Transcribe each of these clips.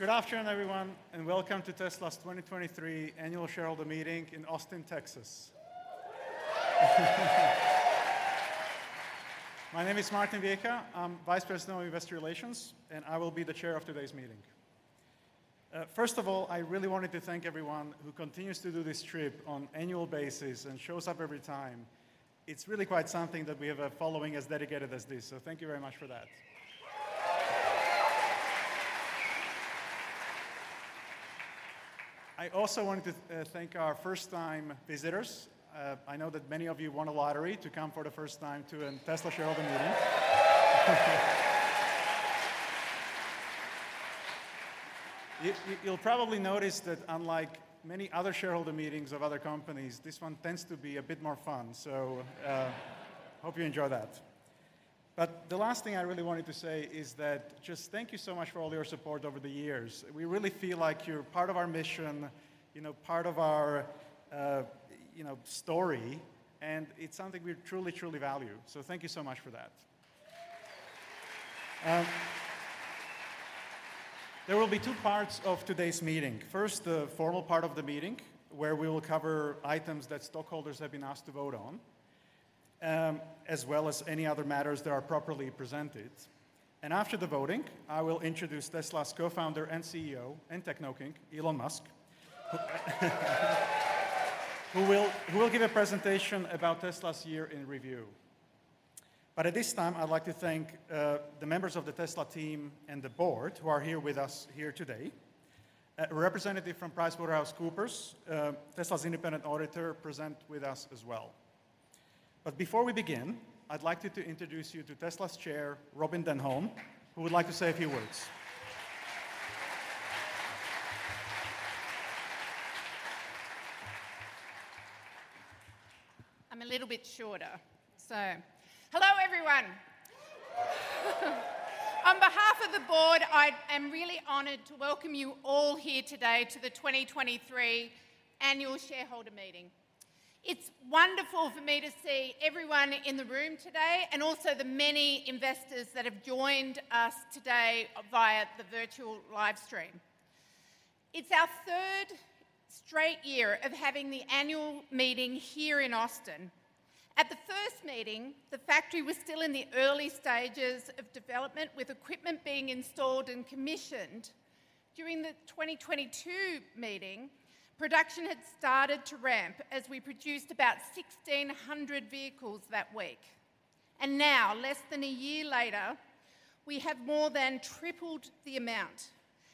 Good afternoon, everyone, welcome to Tesla's 2023 Annual Shareholder Meeting in Austin, Texas. My name is Martin Viecha. I'm vice president of Investor Relations, and I will be the chair of today's meeting. First of all, I really wanted to thank everyone who continues to do this trip on annual basis and shows up every time. It's really quite something that we have a following as dedicated as this, so thank you very much for that. I also wanted to thank our first-time visitors. I know that many of you won a lottery to come for the first time to a Tesla shareholder meeting. You'll probably notice that unlike many other shareholder meetings of other companies, this one tends to be a bit more fun. Hope you enjoy that. The last thing I really wanted to say is that just thank you so much for all your support over the years. We really feel like you're part of our mission, you know, part of our, you know, story, and it's something we truly value, so thank you so much for that. There will be two parts of today's meeting. First, the formal part of the meeting, where we will cover items that stockholders have been asked to vote on, as well as any other matters that are properly presented. After the voting, I will introduce Tesla's co-founder and CEO, and Technoking, Elon Musk. Who will give a presentation about Tesla's year in review. At this time, I'd like to thank the members of the Tesla team and the board who are here with us here today. A representative from PricewaterhouseCoopers, Tesla's independent auditor, are present with us as well. Before we begin, I'd like to introduce you to Tesla's Chair, Robyn Denholm, who would like to say a few words. I'm a little bit shorter. Hello, everyone. On behalf of the Board, I am really honored to welcome you all here today to the 2023 Annual Shareholder Meeting. It's wonderful for me to see everyone in the room today and also the many investors that have joined us today via the virtual live stream. It's our third straight year of having the annual meeting here in Austin. At the first meeting, the factory was still in the early stages of development, with equipment being installed and commissioned. During the 2022 meeting, production had started to ramp as we produced about 1,600 vehicles that week. Now, less than a year later, we have more than tripled the amount,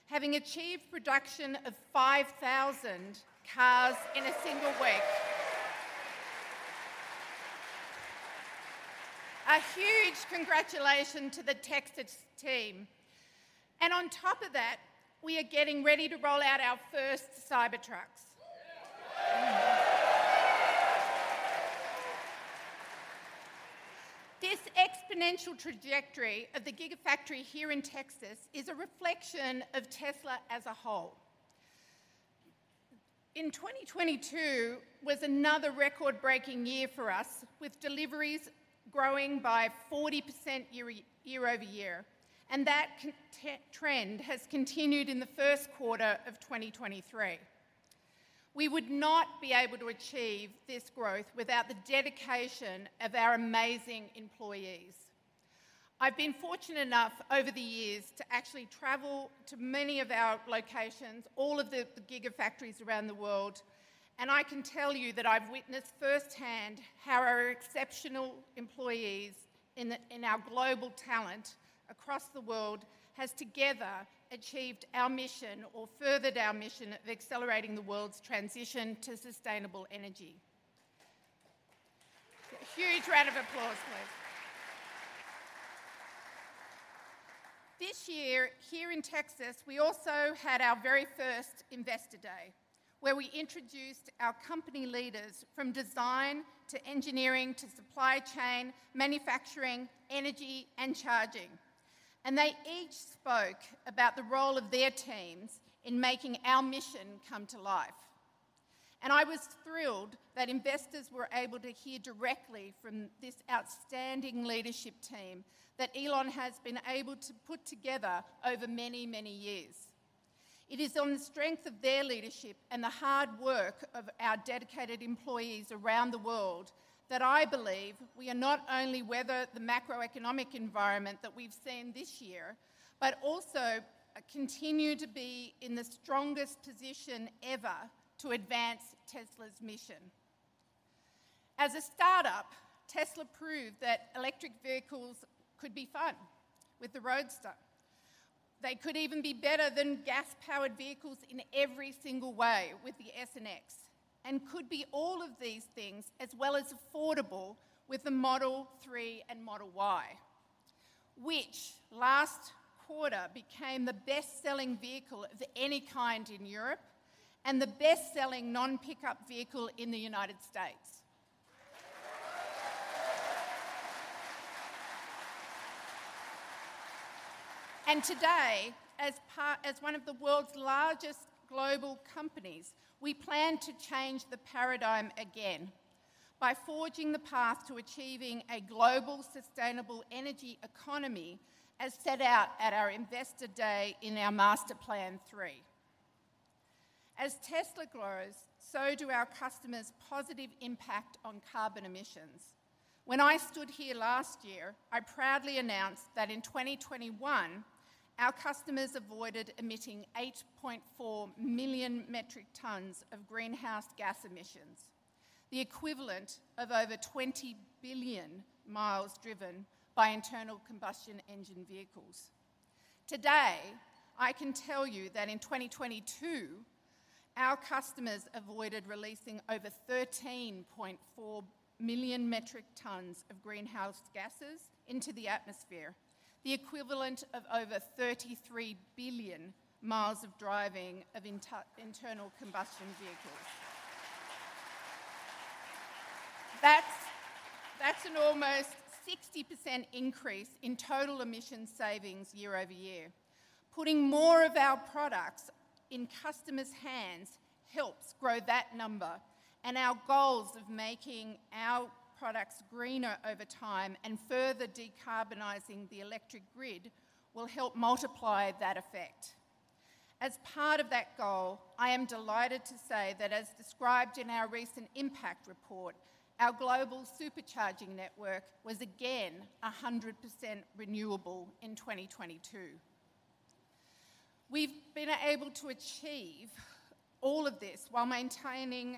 having achieved production of 5,000 cars in a single week. A huge congratulations to the Texas team. On top of that, we are getting ready to roll out our first Cybertrucks. This exponential trajectory of the Gigafactory here in Texas is a reflection of Tesla as a whole. 2022 was another record-breaking year for us, with deliveries growing by 40% year-over-year, that trend has continued in the first quarter of 2023. We would not be able to achieve this growth without the dedication of our amazing employees. I've been fortunate enough over the years to actually travel to many of our locations, all of the Gigafactories around the world, I can tell you that I've witnessed firsthand how our exceptional employees in our global talent across the world has together achieved our mission or furthered our mission of accelerating the world's transition to sustainable energy. Huge round of applause, please. This year, here in Texas, we also had our very first Investor Day, where we introduced our company leaders from design to engineering to supply chain, manufacturing, energy, and charging. They each spoke about the role of their teams in making our mission come to life. I was thrilled that investors were able to hear directly from this outstanding leadership team that Elon has been able to put together over many, many years. It is on the strength of their leadership and the hard work of our dedicated employees around the world that I believe we are not only weather the macroeconomic environment that we've seen this year, but also continue to be in the strongest position ever to advance Tesla's mission. As a startup, Tesla proved that electric vehicles could be fun with the Roadster. They could even be better than gas-powered vehicles in every single way with the S and X and could be all of these things, as well as affordable with the Model 3 and Model Y, which last quarter became the best-selling vehicle of any kind in Europe and the best-selling non-pickup vehicle in the United States. Today, as one of the companies, we plan to change the paradigm again by forging the path to achieving a global sustainable energy economy, as set out at our Investor Day in our Master Plan Three. As Tesla grows, so do our customers' positive impact on carbon emissions. When I stood here last year, I proudly announced that in 2021, our customers avoided emitting 8.4 million metric tons of greenhouse gas emissions, the equivalent of over 20 billion miles driven by internal combustion engine vehicles. Today, I can tell you that in 2022, our customers avoided releasing over 13.4 million metric tons of greenhouse gases into the atmosphere, the equivalent of over 33 billion miles of driving of internal combustion vehicles. That's an almost 60% increase in total emission savings year-over-year. Putting more of our products in customers' hands helps grow that number, and our goals of making our products greener over time and further decarbonizing the electric grid will help multiply that effect. As part of that goal, I am delighted to say that as described in our recent impact report, our global Supercharging network was again 100% renewable in 2022. We've been able to achieve all of this while maintaining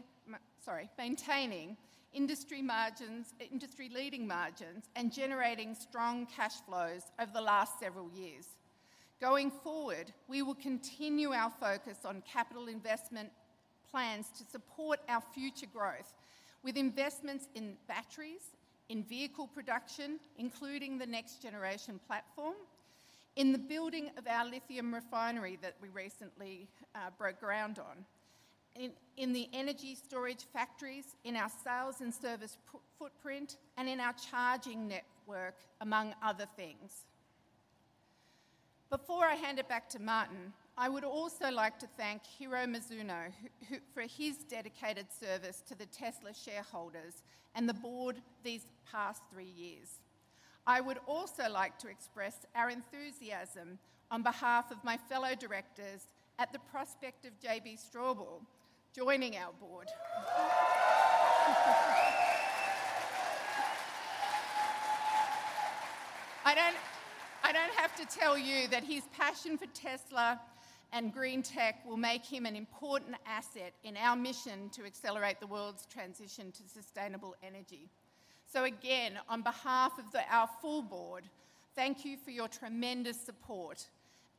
industry-leading margins and generating strong cash flows over the last several years. Going forward, we will continue our focus on capital investment plans to support our future growth with investments in batteries, in vehicle production, including the next-generation platform, in the building of our lithium refinery that we recently broke ground on, in the energy storage factories, in our sales and service footprint, and in our charging network, among other things. Before I hand it back to Martin, I would also like to thank Hiro Mizuno for his dedicated service to the Tesla shareholders and the board these past 3 years. I would also like to express our enthusiasm on behalf of my fellow directors at the prospect of JB Straubel joining our board. I don't have to tell you that his passion for Tesla and green tech will make him an important asset in our mission to accelerate the world's transition to sustainable energy. Again, on behalf of our full board, thank you for your tremendous support,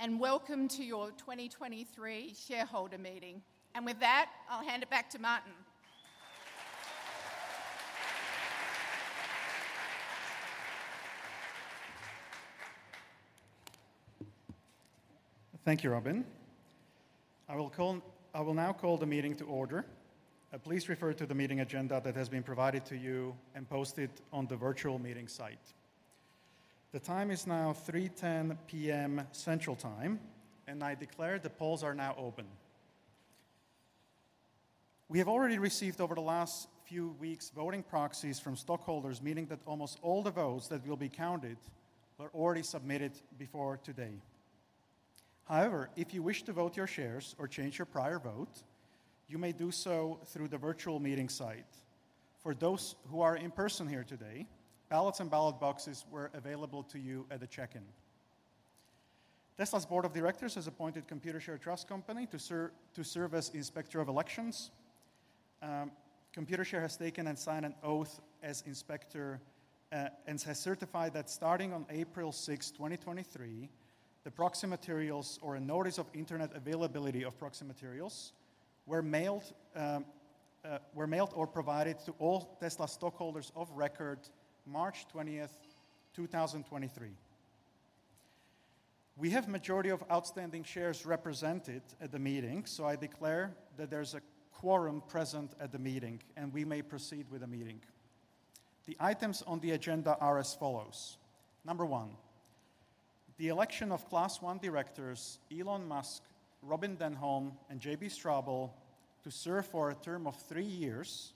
and welcome to your 2023 shareholder meeting. With that, I'll hand it back to Martin. Thank you, Robyn. I will now call the meeting to order. Please refer to the meeting agenda that has been provided to you and posted on the virtual meeting site. The time is now 3:10 P.M. Central Time, and I declare the polls are now open. We have already received over the last few weeks voting proxies from stockholders, meaning that almost all the votes that will be counted were already submitted before today. However, if you wish to vote your shares or change your prior vote, you may do so through the virtual meeting site. For those who are in person here today, ballots and ballot boxes were available to you at the check-in. Tesla's Board of Directors has appointed Computershare Trust Company to serve as Inspector of Elections. Computershare has taken and signed an oath as inspector and has certified that starting on April 6, 2023, the proxy materials or a notice of Internet availability of proxy materials were mailed or provided to all Tesla stockholders of record March 20, 2023. We have majority of outstanding shares represented at the meeting, so I declare that there's a quorum present at the meeting, and we may proceed with the meeting. The items on the agenda are as follows. Number 1, the election of Class 1 directors, Elon Musk, Robyn Denholm, and JB Straubel, to serve for a term of 3 years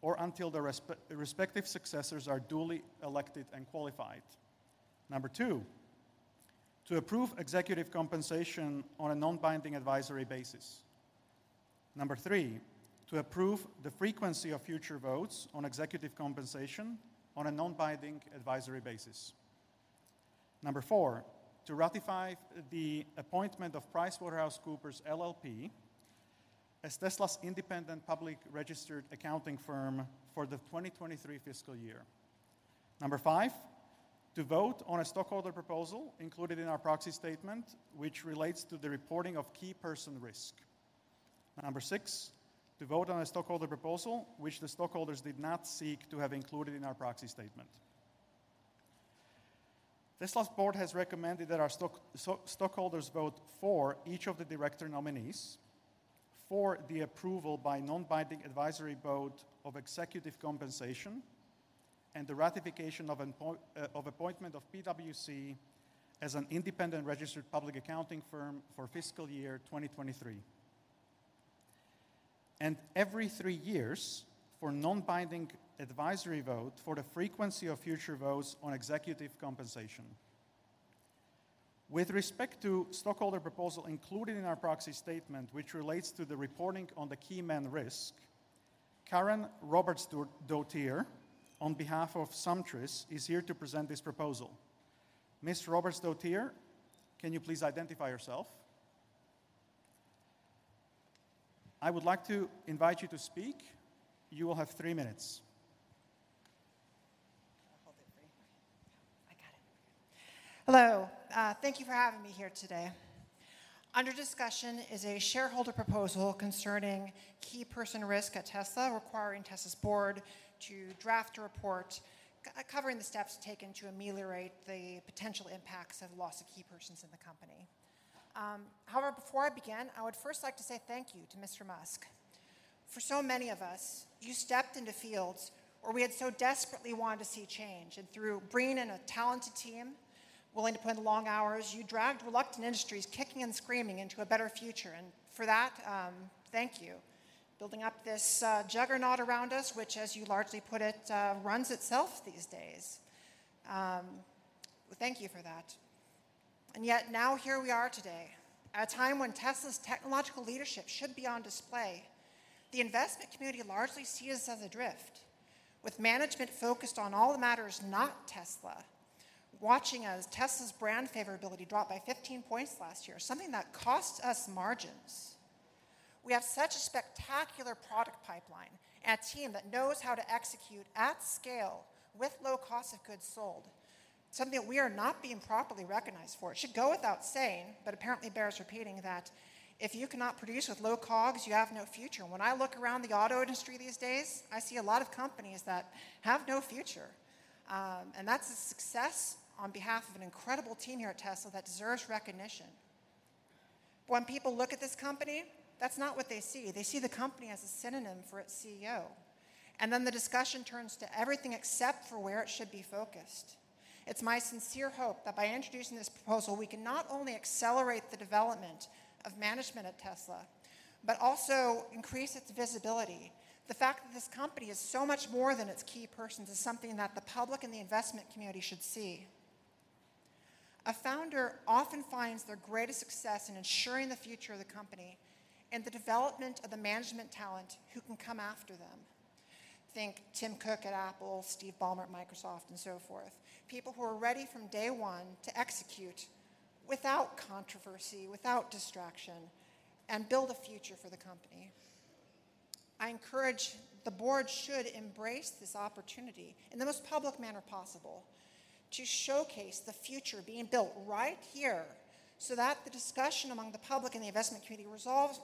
or until their respective successors are duly elected and qualified. Number two, to approve executive compensation on a non-binding advisory basis. Number three, to approve the frequency of future votes on executive compensation on a non-binding advisory basis. Number four, to ratify the appointment of PricewaterhouseCoopers LLP as Tesla's independent public registered accounting firm for the 2023 fiscal year. Number five, to vote on a stockholder proposal included in our proxy statement, which relates to the reporting of key person risk. Number six, to vote on a stockholder proposal which the stockholders did not seek to have included in our proxy statement. Tesla's board has recommended that our stockholders vote for each of the director nominees for the approval by non-binding advisory vote of executive compensation, and the ratification of appointment of PwC as an independent registered public accounting firm for fiscal year 2023. Every three years for non-binding advisory vote for the frequency of future votes on executive compensation. With respect to stockholder proposal included in our proxy statement, which relates to the reporting on the keyman risk, Karen Roberts Do-Dauter on behalf of Sumtris is here to present this proposal. Ms. Roberts Dauter, can you please identify yourself? I would like to invite you to speak. You will have 3 minutes. Hold it for me. I got it. Hello. Thank you for having me here today. Under discussion is a shareholder proposal concerning key person risk at Tesla, requiring Tesla's board to draft a report covering the steps taken to ameliorate the potential impacts of loss of key persons in the company. Before I begin, I would first like to say thank you to Mr. Musk. For so many of us, you stepped into fields where we had so desperately wanted to see change, and through bringing in a talented team willing to put in long hours, you dragged reluctant industries kicking and screaming into a better future, and for that, thank you. Building up this juggernaut around us, which, as you largely put it, runs itself these days. Thank you for that. Now here we are today. At a time when Tesla's technological leadership should be on display, the investment community largely sees us as adrift, with management focused on all the matters not Tesla. Watching as Tesla's brand favorability dropped by 15 points last year, something that costs us margins. We have such a spectacular product pipeline and a team that knows how to execute at scale with low cost of goods sold, something that we are not being properly recognized for. It should go without saying, but apparently bears repeating, that if you cannot produce with low COGS, you have no future. When I look around the auto industry these days, I see a lot of companies that have no future, and that's a success on behalf of an incredible team here at Tesla that deserves recognition. When people look at this company, that's not what they see. They see the company as a synonym for its CEO, the discussion turns to everything except for where it should be focused. It's my sincere hope that by introducing this proposal, we can not only accelerate the development of management at Tesla, but also increase its visibility. The fact that this company is so much more than its key persons is something that the public and the investment community should see. A founder often finds their greatest success in ensuring the future of the company and the development of the management talent who can come after them. Think Tim Cook at Apple, Steve Ballmer at Microsoft, and so forth, people who are ready from day one to execute without controversy, without distraction, and build a future for the company. I encourage the board should embrace this opportunity in the most public manner possible to showcase the future being built right here so that the discussion among the public and the investment community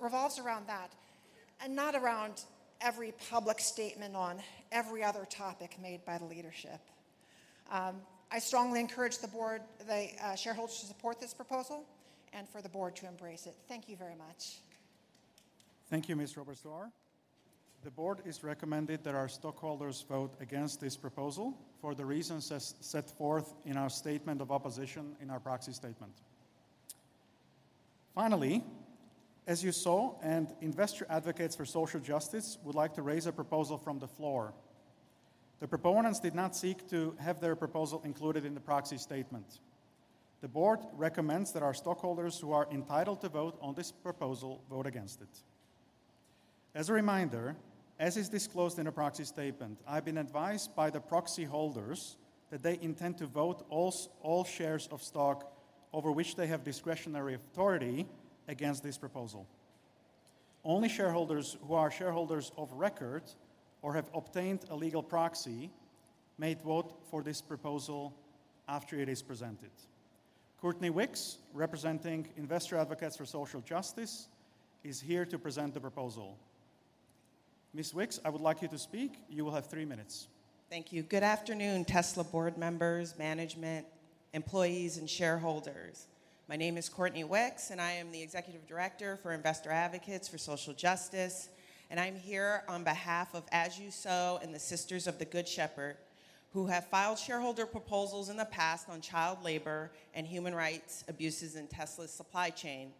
revolves around that and not around every public statement on every other topic made by the leadership. I strongly encourage the board, the shareholders to support this proposal and for the board to embrace it. Thank you very much. Thank you, Ms. Roberts Dauter. The board is recommended that our stockholders vote against this proposal for the reasons as set forth in our statement of opposition in our proxy statement. Finally, As You Sow and Investor Advocates for Social Justice would like to raise a proposal from the floor. The proponents did not seek to have their proposal included in the proxy statement. The board recommends that our stockholders who are entitled to vote on this proposal vote against it. As a reminder, as is disclosed in a proxy statement, I've been advised by the proxy holders that they intend to vote all shares of stock over which they have discretionary authority against this proposal. Only shareholders who are shareholders of record or have obtained a legal proxy may vote for this proposal after it is presented. Courtney Wicks, representing Investor Advocates for Social Justice, is here to present the proposal. Ms. Wicks, I would like you to speak. You will have 3 minutes. Thank you. Good afternoon, Tesla board members, management, employees, and shareholders. My name is Courtney Wicks, I am the Executive Director for Investor Advocates for Social Justice, I'm here on behalf of As You Sow and the Sisters of the Good Shepherd, who have filed shareholder proposals in the past on child labor and human rights abuses in Tesla's supply chain.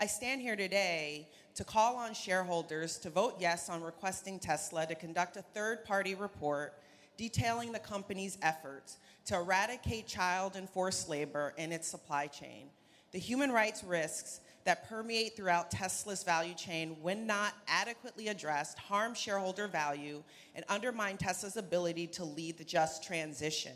I stand here today to call on shareholders to vote yes on requesting Tesla to conduct a third-party report detailing the company's efforts to eradicate child and forced labor in its supply chain. The human rights risks that permeate throughout Tesla's value chain, when not adequately addressed, harm shareholder value and undermine Tesla's ability to lead the just transition.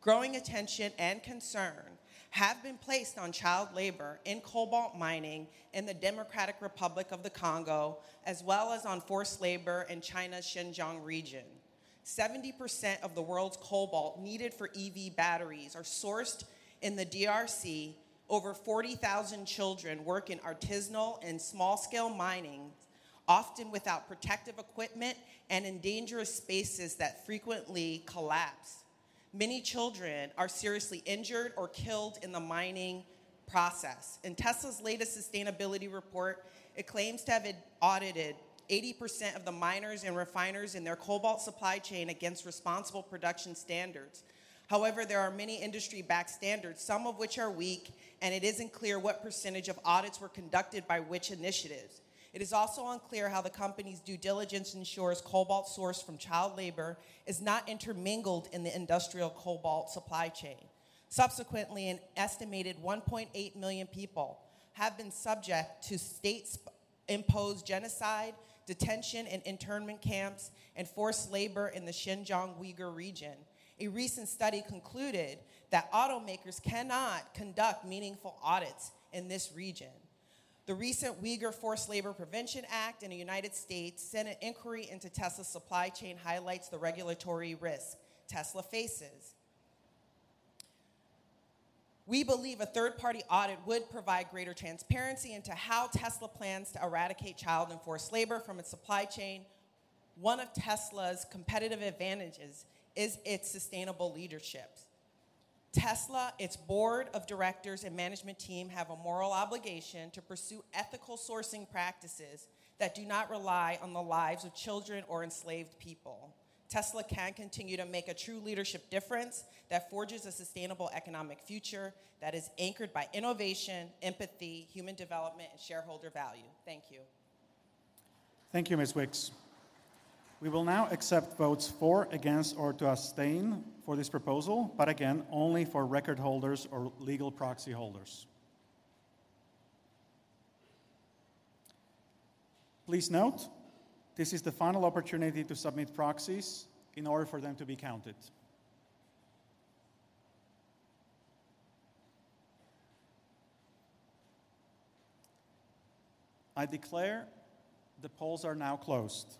Growing attention and concern have been placed on child labor in cobalt mining in the Democratic Republic of the Congo, as well as on forced labor in China's Xinjiang region. 70% of the world's cobalt needed for EV batteries are sourced in the DRC. Over 40,000 children work in artisanal and small-scale mining, often without protective equipment and in dangerous spaces that frequently collapse. Many children are seriously injured or killed in the mining process. In Tesla's latest sustainability report, it claims to have audited 80% of the miners and refiners in their cobalt supply chain against responsible production standards. However, there are many industry-backed standards, some of which are weak, and it isn't clear what percentage of audits were conducted by which initiatives. It is also unclear how the company's due diligence ensures cobalt sourced from child labor is not intermingled in the industrial cobalt supply chain. Subsequently, an estimated 1.8 million people have been subject to state imposed genocide, detention in internment camps, and forced labor in the Xinjiang Uyghur Region. A recent study concluded that automakers cannot conduct meaningful audits in this region. The recent Uyghur Forced Labor Prevention Act and a United States Senate inquiry into Tesla's supply chain highlights the regulatory risk Tesla faces. We believe a third-party audit would provide greater transparency into how Tesla plans to eradicate child and forced labor from its supply chain. One of Tesla's competitive advantages is its sustainable leadership. Tesla, its board of directors, and management team have a moral obligation to pursue ethical sourcing practices that do not rely on the lives of children or enslaved people. Tesla can continue to make a true leadership difference that forges a sustainable economic future that is anchored by innovation, empathy, human development, and shareholder value. Thank you. Thank you, Ms. Wicks. We will now accept votes for, against, or to abstain for this proposal. Again, only for record holders or legal proxy holders. Please note this is the final opportunity to submit proxies in order for them to be counted. I declare the polls are now closed.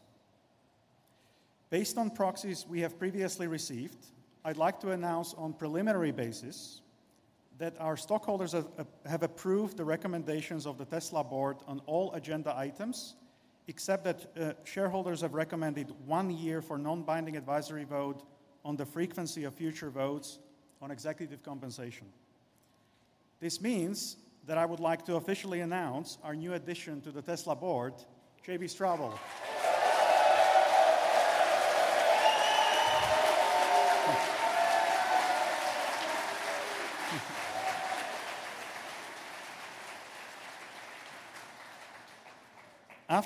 Based on proxies we have previously received, I'd like to announce on preliminary basis that our stockholders have approved the recommendations of the Tesla Board on all agenda items, except that shareholders have recommended one year for non-binding advisory vote on the frequency of future votes on executive compensation. This means that I would like to officially announce our new addition to the Tesla Board, JB Straubel.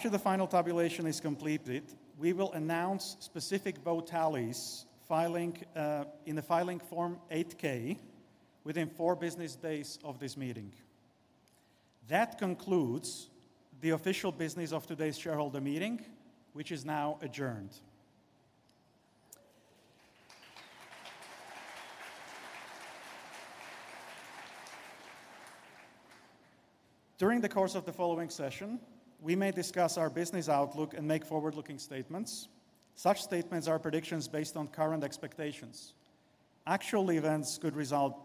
After the final tabulation is completed, we will announce specific vote tallies filing in the filing Form 8-K within four business days of this meeting. That concludes the official business of today's shareholder meeting, which is now adjourned. During the course of the following session, we may discuss our business outlook and make forward-looking statements. Such statements are predictions based on current expectations. Actual events could result,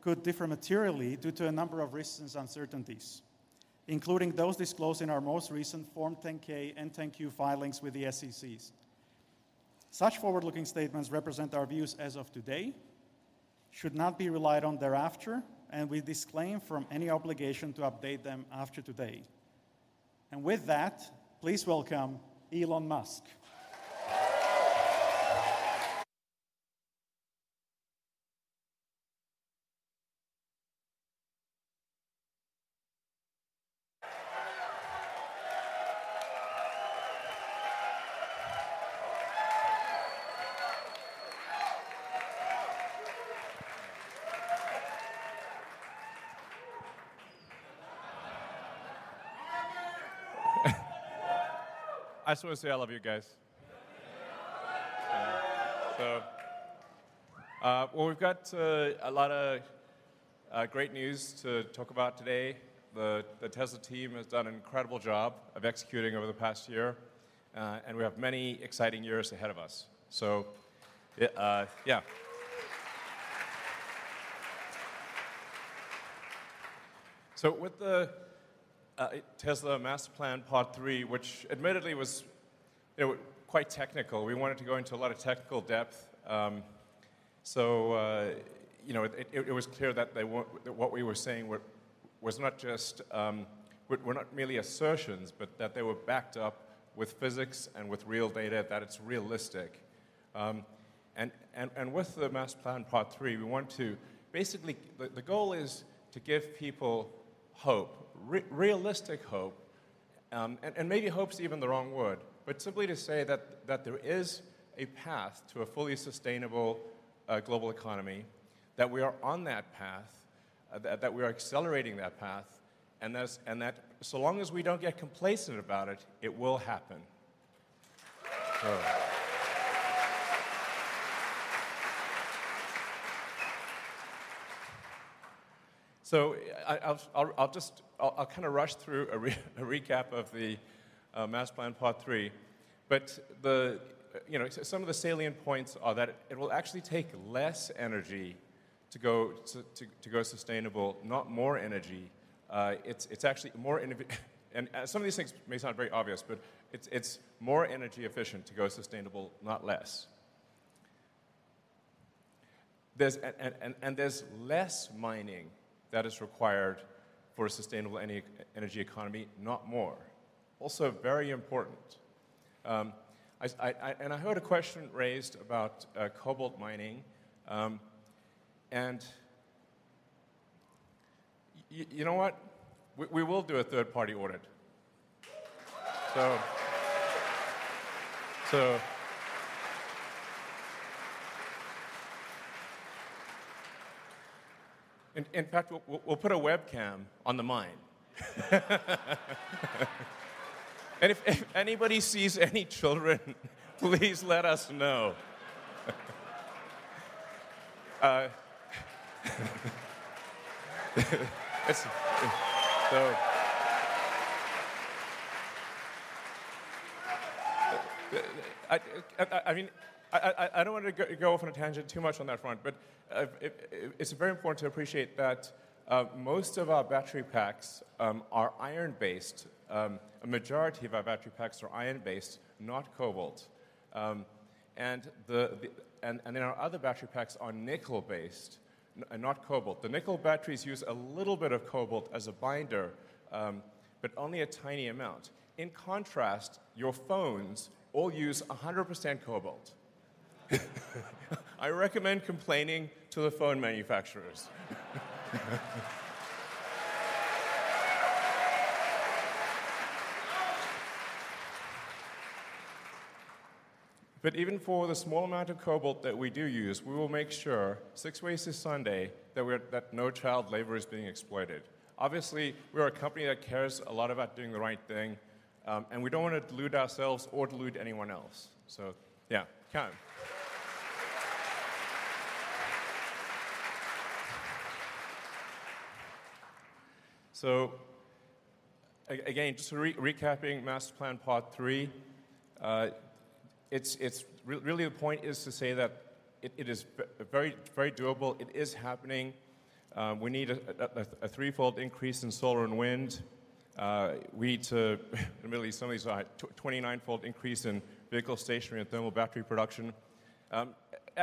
could differ materially due to a number of risks and uncertainties, including those disclosed in our most recent Form 10-K and 10-Q filings with the SEC. Such forward-looking statements represent our views as of today, should not be relied on thereafter, and we disclaim from any obligation to update them after today. With that, please welcome Elon Musk. I just wanna say I love you guys. Well, we've got a lot of great news to talk about today. The Tesla team has done an incredible job of executing over the past year, and we have many exciting years ahead of us. Yeah. With the Tesla Master Plan Part 3, which admittedly was, you know, quite technical, we wanted to go into a lot of technical depth, you know, it was clear that what we were saying were not merely assertions, but that they were backed up with physics and with real data, that it's realistic. With the Master Plan Part Three, we want to basically. The goal is to give people hope, realistic hope, and maybe hope's even the wrong word, but simply to say that there is a path to a fully sustainable, global economy, that we are on that path, that we are accelerating that path, and thus, and that so long as we don't get complacent about it will happen. I'll just... I'll kinda rush through a recap of the Master Plan Part Three. The, you know, some of the salient points are that it will actually take less energy-To go to go sustainable, not more energy. It's, it's actually more and some of these things may sound very obvious, but it's more energy efficient to go sustainable, not less. There's less mining that is required for a sustainable energy economy, not more. Also very important, I heard a question raised about cobalt mining, you know what? We will do a third-party audit. In fact, we'll put a webcam on the mine. If anybody sees any children, please let us know. It's, I mean, I don't want to go off on a tangent too much on that front, it's very important to appreciate that most of our battery packs are iron-based. A majority of our battery packs are iron-based, not cobalt. Our other battery packs are nickel-based, not cobalt. The nickel batteries use a little bit of cobalt as a binder, only a tiny amount. In contrast, your phones all use 100% cobalt. I recommend complaining to the phone manufacturers. Even for the small amount of cobalt that we do use, we will make sure six ways to Sunday that no child labor is being exploited. Obviously, we're a company that cares a lot about doing the right thing, we don't want to delude ourselves or delude anyone else. Yeah. Carry on. Again, just recapping Master Plan Part III, really the point is to say that it is very, very doable. It is happening. We need a threefold increase in solar and wind. We need to, really some of these are high, 29-fold increase in vehicle stationary and thermal battery production.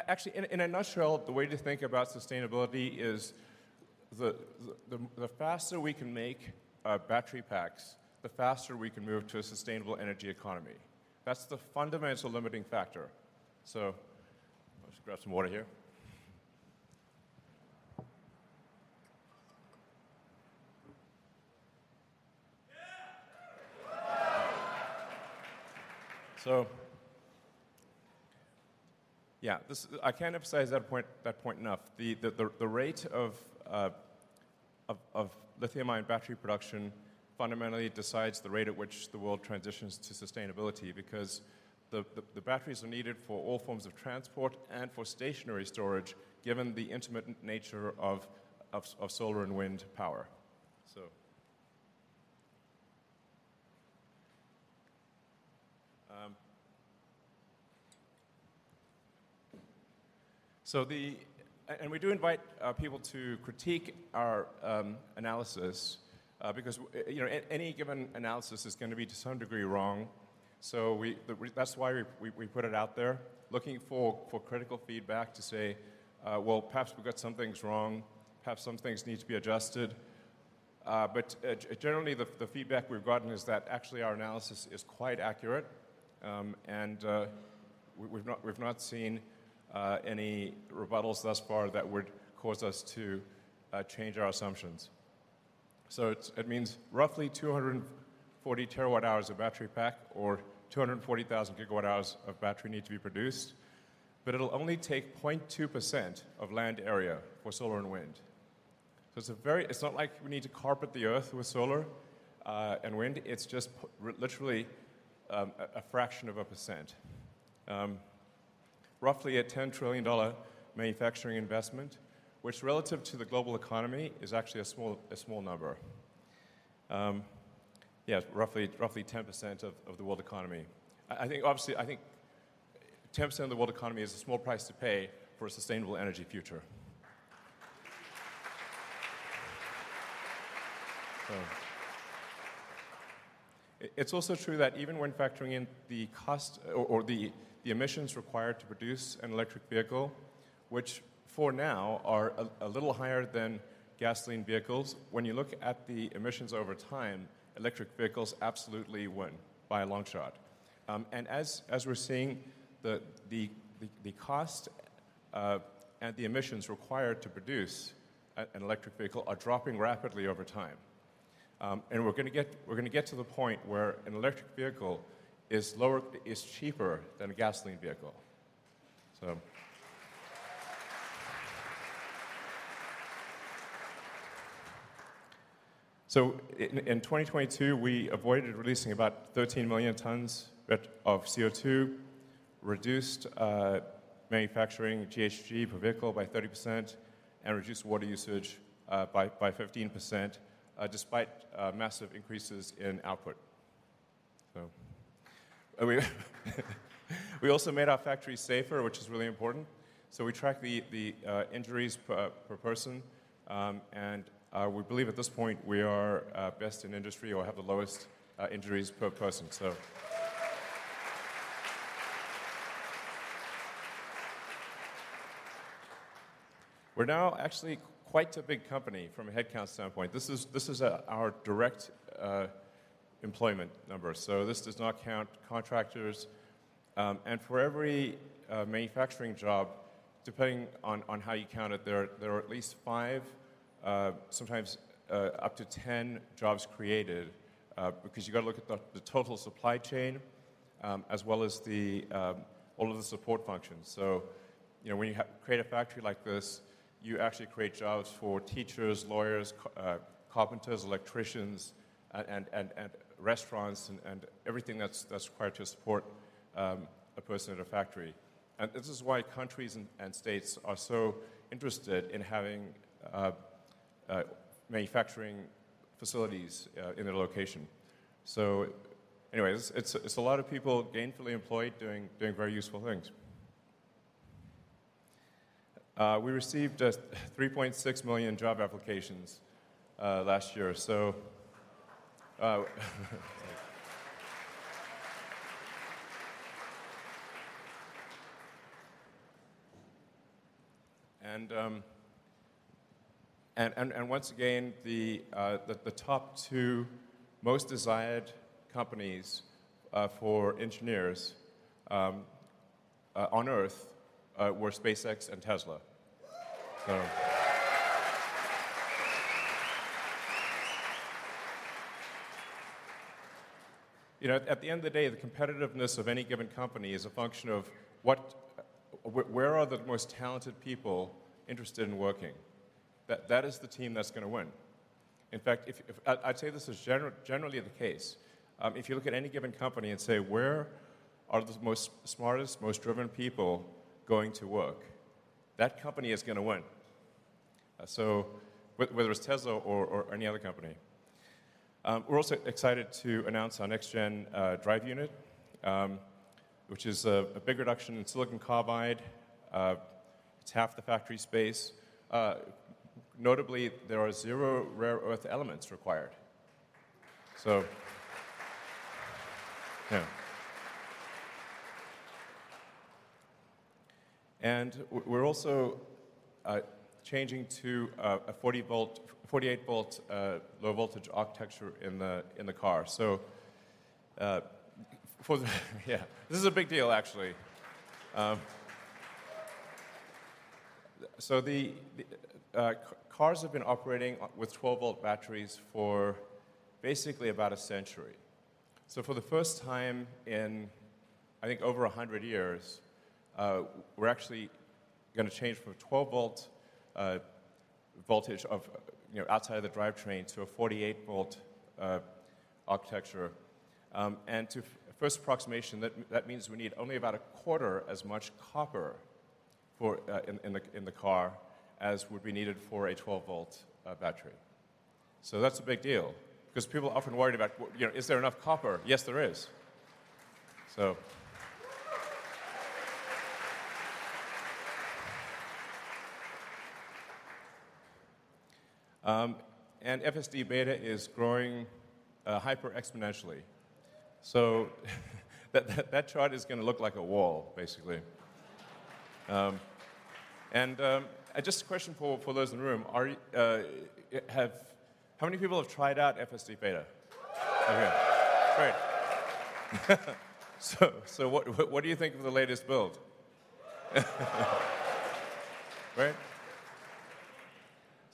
Actually, in a nutshell, the way to think about sustainability is the faster we can make battery packs, the faster we can move to a sustainable energy economy. That's the fundamental limiting factor. I'll just grab some water here. Yeah. Yeah, this I can't emphasize that point enough. The rate of lithium-ion battery production fundamentally decides the rate at which the world transitions to sustainability because the batteries are needed for all forms of transport and for stationary storage given the intermittent nature of solar and wind power. And we do invite people to critique our analysis, because you know, any given analysis is gonna be to some degree wrong. We, that's why we put it out there looking for critical feedback to say, "Well, perhaps we got some things wrong, perhaps some things need to be adjusted." But, generally, the feedback we've gotten is that actually our analysis is quite accurate. We've not seen any rebuttals thus far that would cause us to change our assumptions. It means roughly 240 terawatt-hours of battery pack or 240,000 gigawatt-hours of battery need to be produced, it'll only take 0.2% of land area for solar and wind. It's not like we need to carpet the Earth with solar and wind. It's just literally a fraction of a percent. Roughly a $10 trillion manufacturing investment, which relative to the global economy is actually a small number. Roughly 10% of the world economy. I think, obviously, 10% of the world economy is a small price to pay for a sustainable energy future. It's also true that even when factoring in the cost or the emissions required to produce an electric vehicle, which for now are a little higher than gasoline vehicles, when you look at the emissions over time, electric vehicles absolutely win by a long shot. As we're seeing, the cost and the emissions required to produce an electric vehicle are dropping rapidly over time. We're gonna get to the point where an electric vehicle is lower, is cheaper than a gasoline vehicle. In 2022, we avoided releasing about 13 million tons of CO2, reduced manufacturing GHG per vehicle by 30% and reduced water usage by 15% despite massive increases in output. We also made our factory safer, which is really important. We track the injuries per person, and we believe at this point we are best in industry or have the lowest injuries per person. We're now actually quite a big company from a headcount standpoint. This is our direct employment number. This does not count contractors. And for every manufacturing job, depending on how you count it, there are at least five, sometimes up to 10 jobs created, because you gotta look at the total supply chain, as well as all of the support functions. You know, when you create a factory like this, you actually create jobs for teachers, lawyers, carpenters, electricians, and restaurants and everything that's required to support a person at a factory. This is why countries and states are so interested in having manufacturing facilities in their location. Anyways, it's a lot of people gainfully employed doing very useful things. We received 3.6 million job applications last year. Once again, the top two most desired companies for engineers on Earth were SpaceX and Tesla. You know, at the end of the day, the competitiveness of any given company is a function of where are the most talented people interested in working? That is the team that's gonna win. In fact, I'd say this is generally the case. If you look at any given company and say, "Where are the most smartest, most driven people going to work?" That company is gonna win. Whether it's Tesla or any other company. We're also excited to announce our next-gen drive unit, which is a big reduction in silicon carbide. It's half the factory space. Notably, there are zero rare earth elements required. Yeah. We're also changing to a 48 volt low voltage architecture in the car. Yeah, this is a big deal, actually. The cars have been operating with 12 volt batteries for basically about a century. For the first time in, I think, over 100 years, we're actually gonna change from a 12 volt voltage of, you know, outside of the drivetrain to a 48 volt architecture. To first approximation, that means we need only about a quarter as much copper for in the, in the car as would be needed for a 12 volt battery. That's a big deal 'cause people are often worried about, you know, is there enough copper? Yes, there is. FSD Beta is growing hyper-exponentially. That chart is gonna look like a wall, basically. Just a question for those in the room. How many people have tried out FSD Beta? Okay, great. What do you think of the latest build?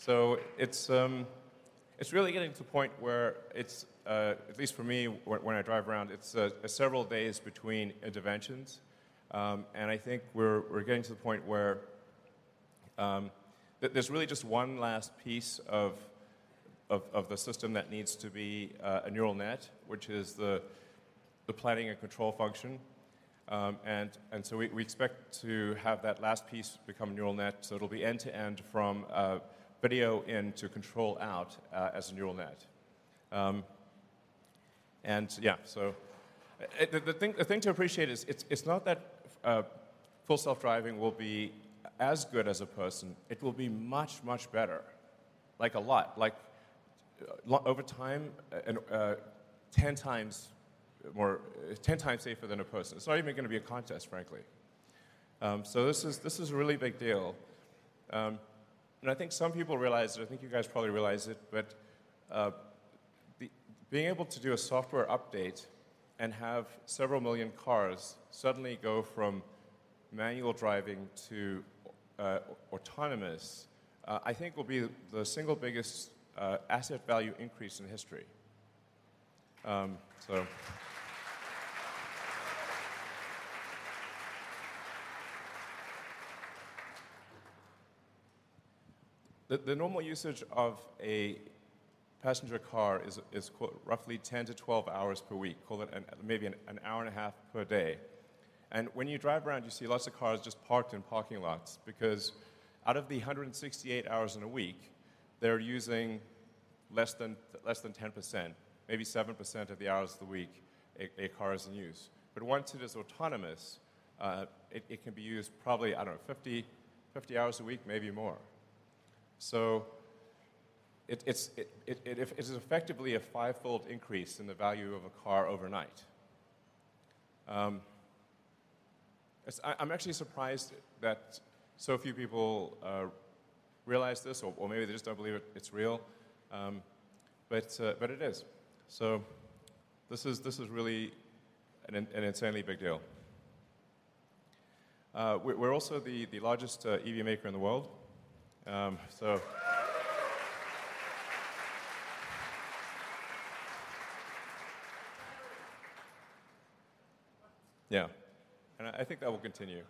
Great. It's really getting to the point where it's at least for me when I drive around, it's several days between interventions. I think we're getting to the point where that there's really just one last piece of the system that needs to be a neural net, which is the planning and control function. We expect to have that last piece become neural net, so it'll be end-to-end from video in to control out as a neural net. Yeah, the thing to appreciate is it's not that Full Self-Driving will be as good as a person. It will be much, much better, like a lot, like over time, 10x safer than a person. It's not even gonna be a contest, frankly. This is a really big deal. I think some people realize it, I think you guys probably realize it, but being able to do a software update and have several million cars suddenly go from manual driving to autonomous, I think will be the single biggest asset value increase in history. The normal usage of a passenger car is roughly 10-12 hours per week, call it an, maybe an hour and a half per day. When you drive around, you see lots of cars just parked in parking lots because out of the 168 hours in a week, they're using less than 10%, maybe 7% of the hours of the week a car is in use. Once it is autonomous, it can be used probably, I don't know, 50 hours a week, maybe more. It is effectively a 5-fold increase in the value of a car overnight. As I'm actually surprised that so few people realize this or maybe they just don't believe it's real. It is. This is really an insanely big deal. We're also the largest EV maker in the world. Yeah. I think that will continue.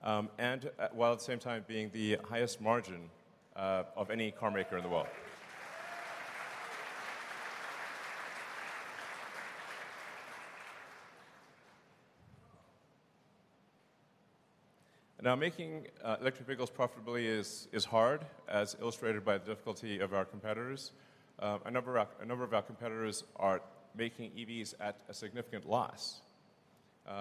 While at the same time being the highest margin of any car maker in the world. Now, making electric vehicles profitably is hard, as illustrated by the difficulty of our competitors. A number of our competitors are making EVs at a significant loss. We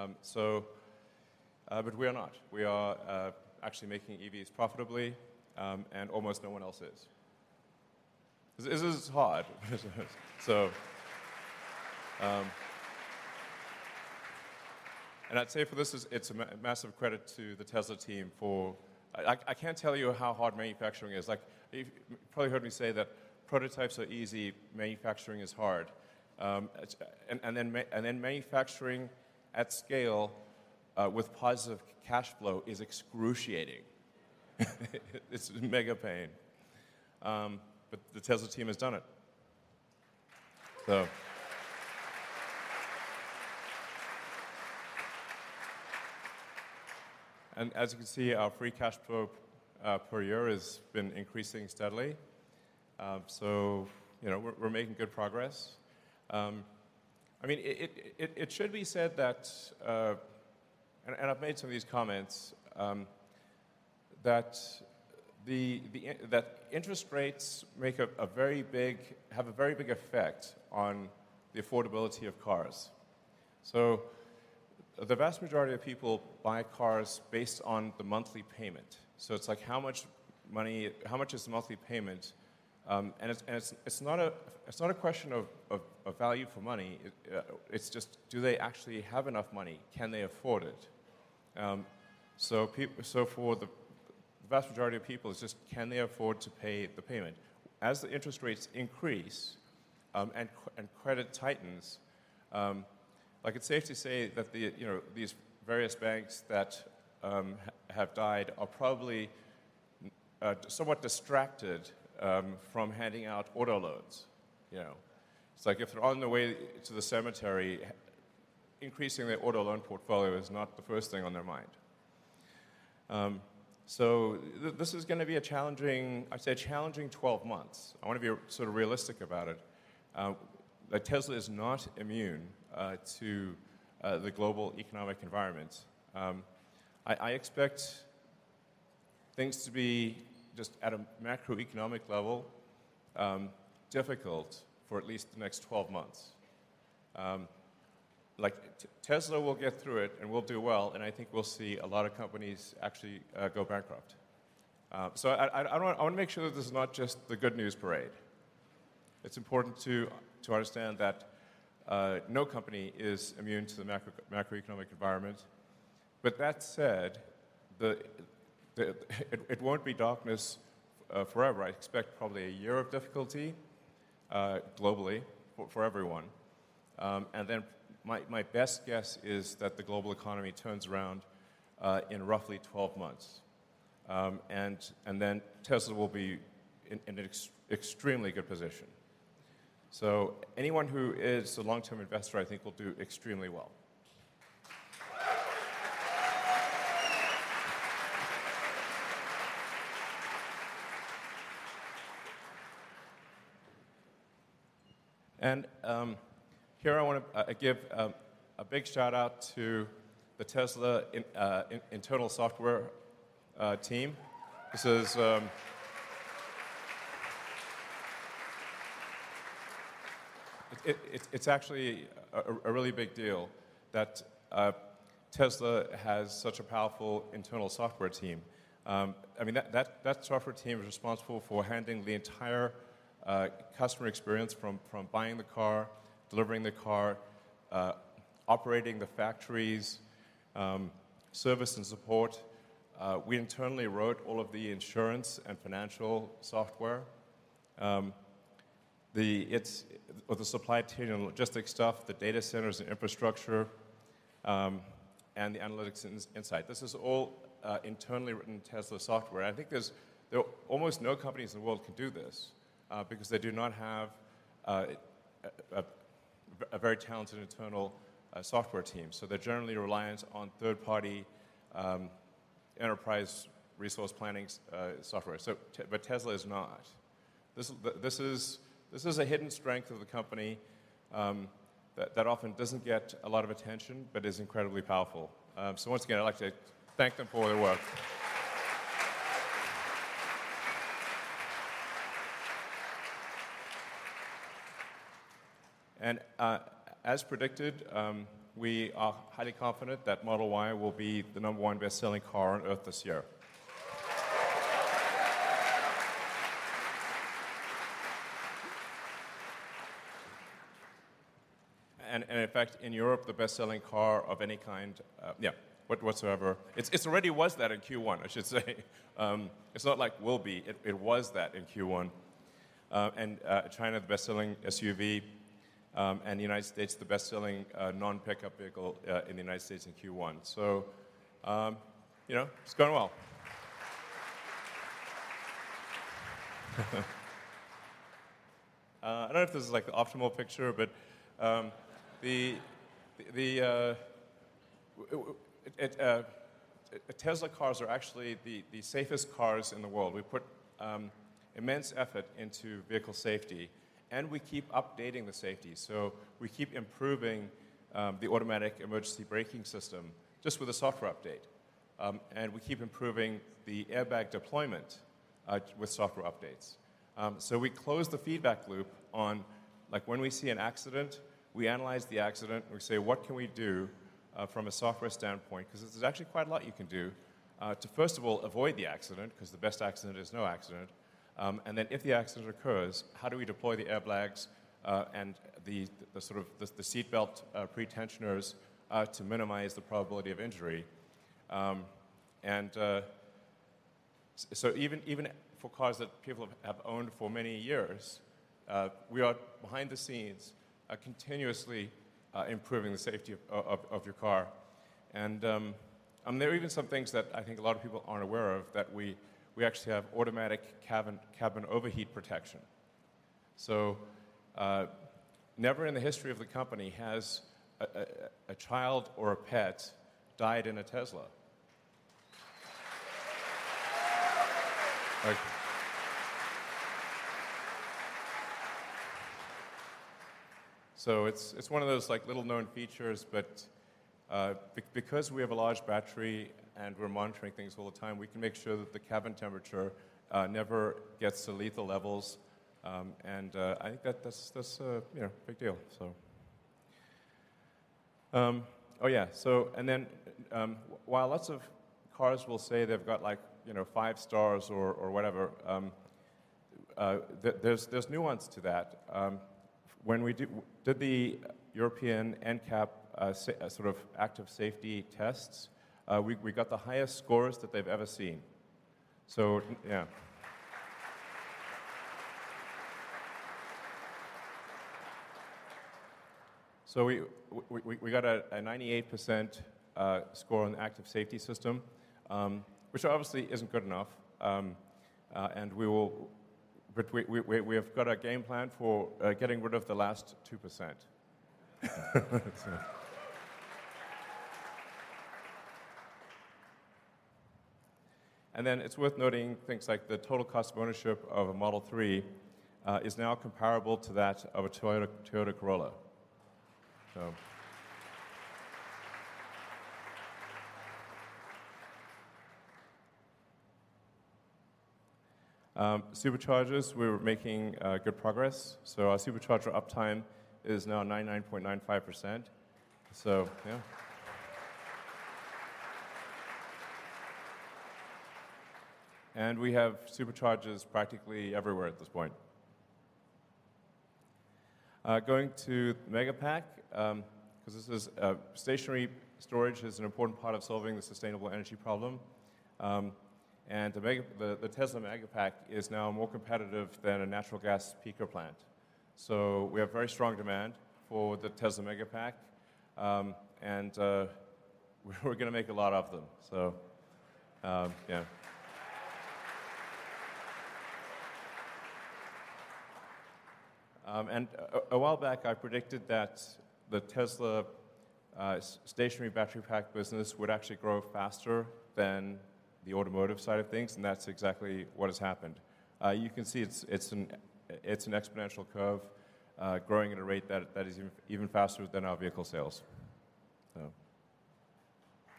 are not. We are actually making EVs profitably, almost no one else is. This is hard. I'd say for this, it's a massive credit to the Tesla team for. I can't tell you how hard manufacturing is. Like, you've probably heard me say that prototypes are easy, manufacturing is hard. Manufacturing at scale with positive cash flow is excruciating. It's mega pain. The Tesla team has done it. As you can see, our free cash flow per year has been increasing steadily. You know, we're making good progress. I mean, it should be said that and I've made some of these comments, that interest rates make a very big, have a very big effect on the affordability of cars. The vast majority of people buy cars based on the monthly payment. It's like, how much money, how much is the monthly payment? It's not a question of value for money. It's just do they actually have enough money? Can they afford it? For the vast majority of people, it's just can they afford to pay the payment? As the interest rates increase, and credit tightens, like it's safe to say that the, you know, these various banks that have died are probably somewhat distracted from handing out auto loans. You know, it's like if they're on their way to the cemetery, increasing their auto loan portfolio is not the first thing on their mind. This is gonna be a challenging, I'd say a challenging 12 months. I wanna be sort of realistic about it, that Tesla is not immune to the global economic environment. I expect things to be just at a macroeconomic level, difficult for at least the next 12 months. Like Tesla will get through it, and we'll do well, and I think we'll see a lot of companies actually go bankrupt. I wanna make sure that this is not just the good news parade. It's important to understand that no company is immune to the macroeconomic environment. That said, it won't be darkness forever. I expect probably a year of difficulty globally for everyone. My best guess is that the global economy turns around in roughly 12 months. Then Tesla will be in an extremely good position. Anyone who is a long-term investor, I think will do extremely well. Here I wanna give a big shout-out to the Tesla internal software team. It's actually a really big deal that Tesla has such a powerful internal software team. I mean, that software team is responsible for handling the entire customer experience from buying the car, delivering the car, operating the factories, service and support. We internally wrote all of the insurance and financial software. The, it's, or the supply chain and logistics stuff, the data centers, the infrastructure, and the analytics insight. This is all internally written Tesla software. I think there are almost no companies in the world can do this because they do not have a very talented internal software team. They're generally reliant on third-party Enterprise resource planning software. Tesla is not. This is a hidden strength of the company that often doesn't get a lot of attention, but is incredibly powerful. Once again, I'd like to thank them for all their work. As predicted, we are highly confident that Model Y will be the number 1 best-selling car on Earth this year. In fact, in Europe, the best-selling car of any kind, whatsoever. It's already was that in Q1, I should say. It's not like will be, it was that in Q1. China, the best-selling SUV, the United States, the best-selling non-pickup vehicle in the United States in Q1. You know, it's going well. I don't know if this is, like, the optimal picture, the Tesla cars are actually the safest cars in the world. We put immense effort into vehicle safety, we keep updating the safety. We keep improving the automatic emergency braking system just with a software update. We keep improving the airbag deployment with software updates. We close the feedback loop on, like, when we see an accident, we analyze the accident, and we say, "What can we do from a software standpoint?" 'Cause there's actually quite a lot you can do to first of all avoid the accident, 'cause the best accident is no accident. If the accident occurs, how do we deploy the airbags and the sort of the seatbelt pretensioners to minimize the probability of injury? Even for cars that people have owned for many years, we are behind the scenes continuously improving the safety of your car. There are even some things that I think a lot of people aren't aware of that we actually have automatic cabin overheat protection. Never in the history of the company has a child or a pet died in a Tesla. It's one of those, like, little-known features, but because we have a large battery and we're monitoring things all the time, we can make sure that the cabin temperature never gets to lethal levels. I think that's a, you know, big deal. Oh, yeah. While lots of cars will say they've got, like, you know, 5 stars or whatever, there's nuance to that. When we did the Euro NCAP sort of active safety tests, we got the highest scores that they've ever seen. Yeah. We have got a 98% score on the active safety system, which obviously isn't good enough. We have got a game plan for getting rid of the last 2%. It's worth noting things like the total cost of ownership of a Model 3 is now comparable to that of a Toyota Corolla. Superchargers, we're making good progress. Our Supercharger uptime is now 99.95%. Yeah. We have Superchargers practically everywhere at this point. Going to Megapack, because this is stationary storage is an important part of solving the sustainable energy problem. The Tesla Megapack is now more competitive than a natural gas peaker plant. We have very strong demand for the Tesla Megapack, and we're gonna make a lot of them. Yeah. A while back, I predicted that the Tesla stationary battery pack business would actually grow faster than the automotive side of things, and that's exactly what has happened. You can see it's an exponential curve, growing at a rate that is even faster than our vehicle sales.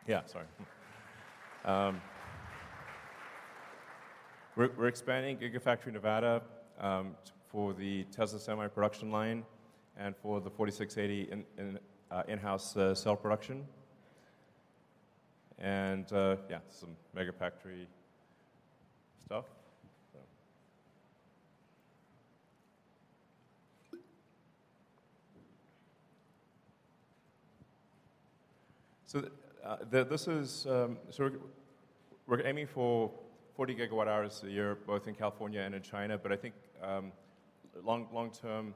Yeah, sorry. We're expanding Gigafactory Nevada for the Tesla Semi production line and for the 4680 in-house cell production. Yeah, some Megafactory stuff. This is. We're aiming for 40 gigawatt-hours a year, both in California and in China, but I think, long term,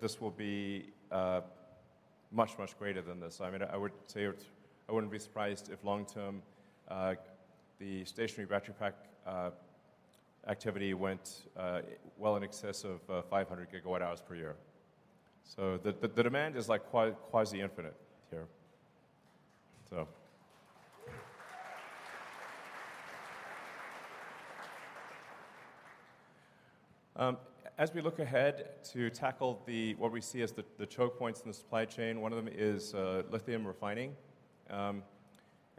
this will be much, much greater than this. I mean, I wouldn't be surprised if long term, the stationary battery pack activity went well in excess of 500 gigawatt-hours per year. The demand is like quite quasi-infinite here. As we look ahead to tackle what we see as the choke points in the supply chain, one of them is lithium refining. I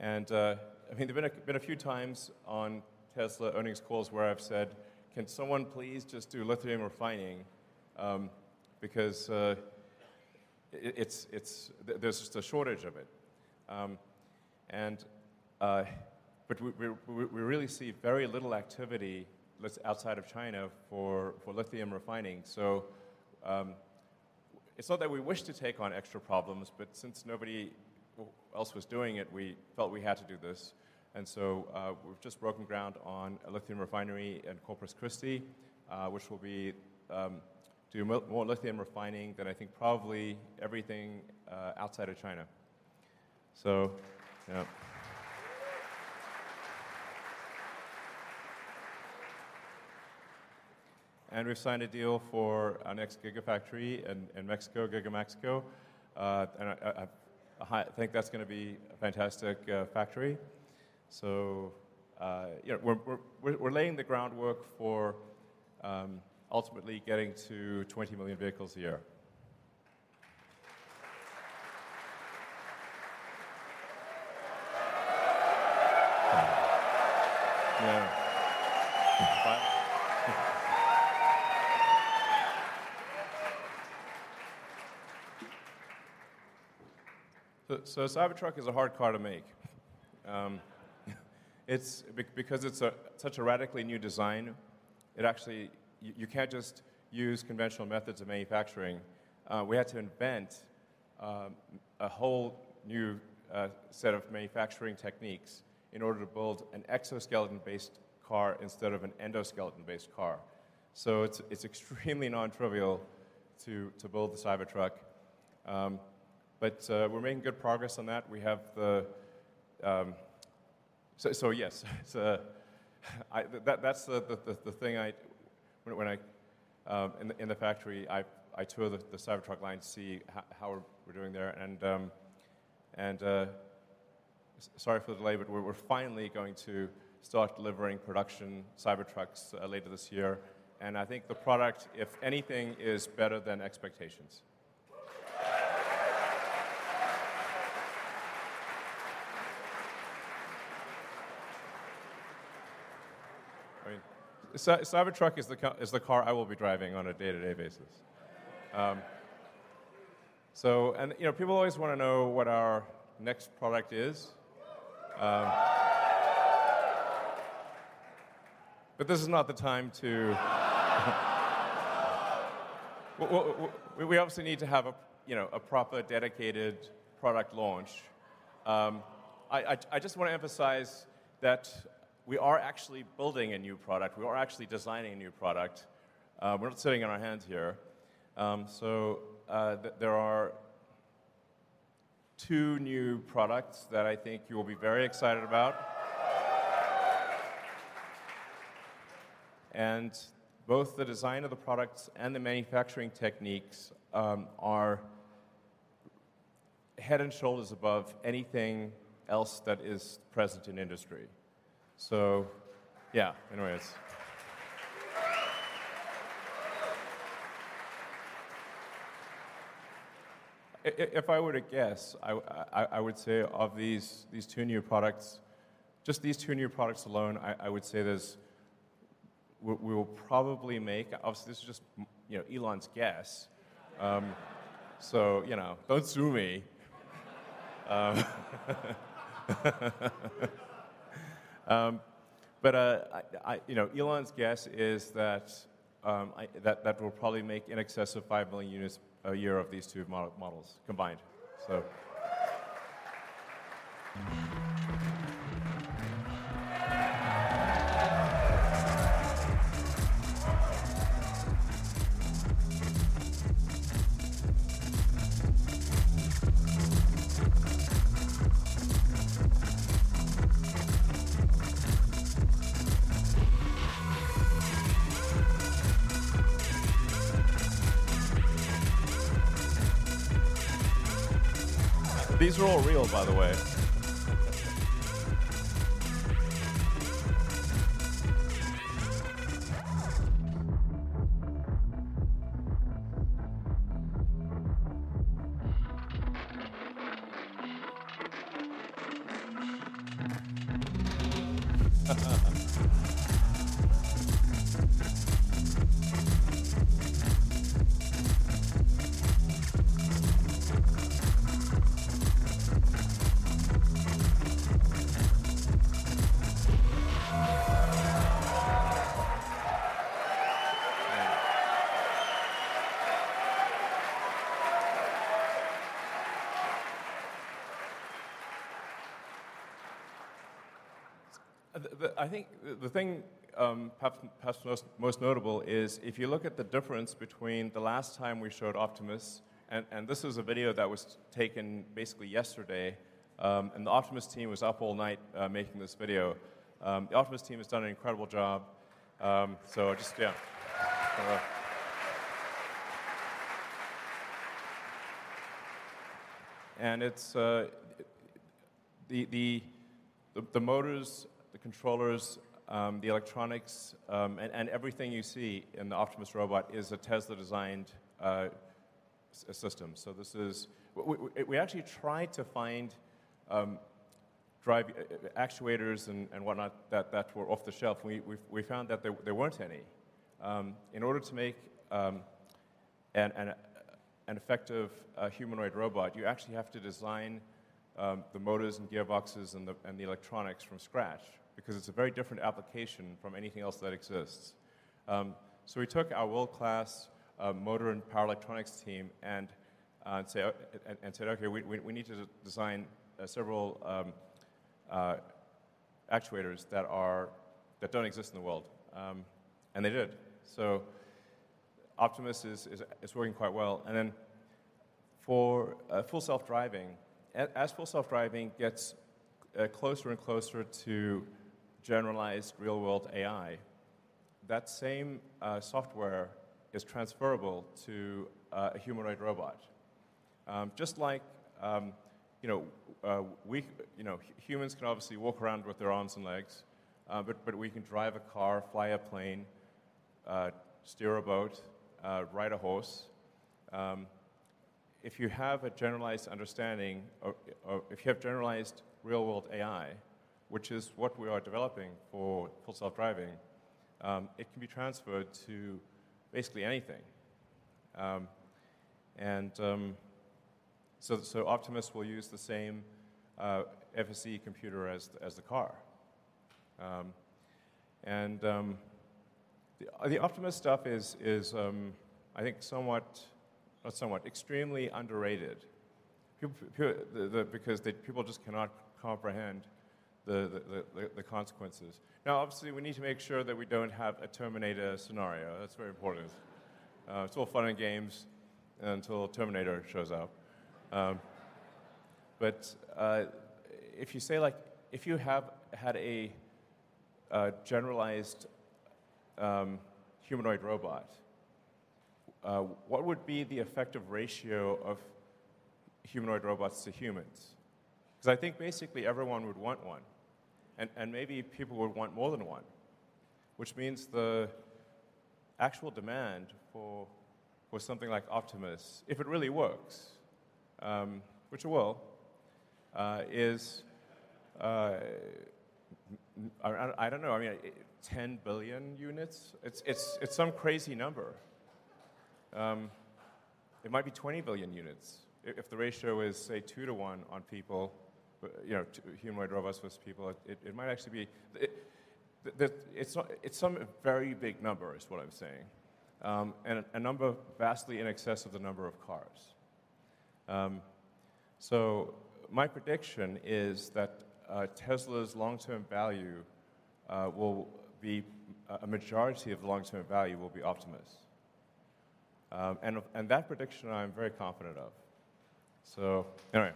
mean, there've been a few times on Tesla earnings calls where I've said, "Can someone please just do lithium refining?" because there's just a shortage of it. We really see very little activity that's outside of China for lithium refining. It's not that we wish to take on extra problems, but since nobody else was doing it, we felt we had to do this. We've just broken ground on a lithium refinery in Corpus Christi, which will be more lithium refining than I think probably everything outside of China. Yeah. We've signed a deal for our next Gigafactory in Mexico, Giga Mexico. I think that's gonna be a fantastic factory. We're laying the groundwork for ultimately getting to 20 million vehicles a year. Cybertruck is a hard car to make. Because it's such a radically new design, it actually, you can't just use conventional methods of manufacturing. We had to invent a whole new set of manufacturing techniques in order to build an exoskeleton-based car instead of an endoskeleton-based car. It's extremely non-trivial to build the Cybertruck. But we're making good progress on that. We have the. Yes, that's the thing when I in the factory, I tour the Cybertruck line to see how we're doing there and, sorry for the delay, but we're finally going to start delivering production Cybertrucks later this year. I think the product, if anything, is better than expectations. I mean, Cybertruck is the car I will be driving on a day-to-day basis. You know, people always wanna know what our next product is. This is not the time to... We obviously need to have a, you know, a proper dedicated product launch. I just wanna emphasize that we are actually building a new product. We are actually designing a new product. We're not sitting on our hands here. There are two new products that I think you will be very excited about. Both the design of the products and the manufacturing techniques are head and shoulders above anything else that is present in industry. Yeah, anyways. If I were to guess, I would say of these two new products, just these two new products alone, I would say we will probably make, obviously this is just, you know, Elon's guess, so, you know, don't sue me. I, you know, Elon's guess is that we'll probably make in excess of 5 million units a year of these two models combined, so. These are all real, by the way. The I think the thing, perhaps most notable is if you look at the difference between the last time we showed Optimus, and this was a video that was taken basically yesterday. The Optimus team was up all night, making this video. The Optimus team has done an incredible job. Just, yeah. It's the motors, the controllers, the electronics, and everything you see in the Optimus robot is a Tesla-designed system. This is... We actually tried to find actuators and whatnot that were off the shelf. We found that there weren't any. In order to make an effective humanoid robot, you actually have to design the motors and gearboxes and the electronics from scratch because it's a very different application from anything else that exists. We took our world-class motor and power electronics team and said, "Okay, we need to design several actuators that don't exist in the world." And they did. Optimus is working quite well. For Full Self-Driving, as Full Self-Driving gets closer and closer to generalized real-world AI, that same software is transferable to a humanoid robot. Just like, you know, we, you know, humans can obviously walk around with their arms and legs, but we can drive a car, fly a plane, steer a boat, ride a horse. If you have a generalized understanding or if you have generalized real-world AI, which is what we are developing for Full Self-Driving, it can be transferred to basically anything. So Optimus will use the same FSD computer as the car. The Optimus stuff is, I think somewhat, not somewhat, extremely underrated because the people just cannot comprehend the consequences. Obviously, we need to make sure that we don't have a Terminator scenario. That's very important. It's all fun and games until a Terminator shows up. If you say like if you have had a generalized humanoid robot, what would be the effective ratio of humanoid robots to humans? 'Cause I think basically everyone would want one, and maybe people would want more than one, which means the actual demand for something like Optimus, if it really works, which it will, is, I don't know, I mean, 10 billion units? It's some crazy number. It might be 20 billion units if the ratio is, say, two to one on people, you know, humanoid robots versus people. It might actually be... It's some very big number is what I'm saying, and a number vastly in excess of the number of cars. My prediction is that Tesla's long-term value will be, a majority of long-term value will be Optimus. That prediction I'm very confident of. Anyway.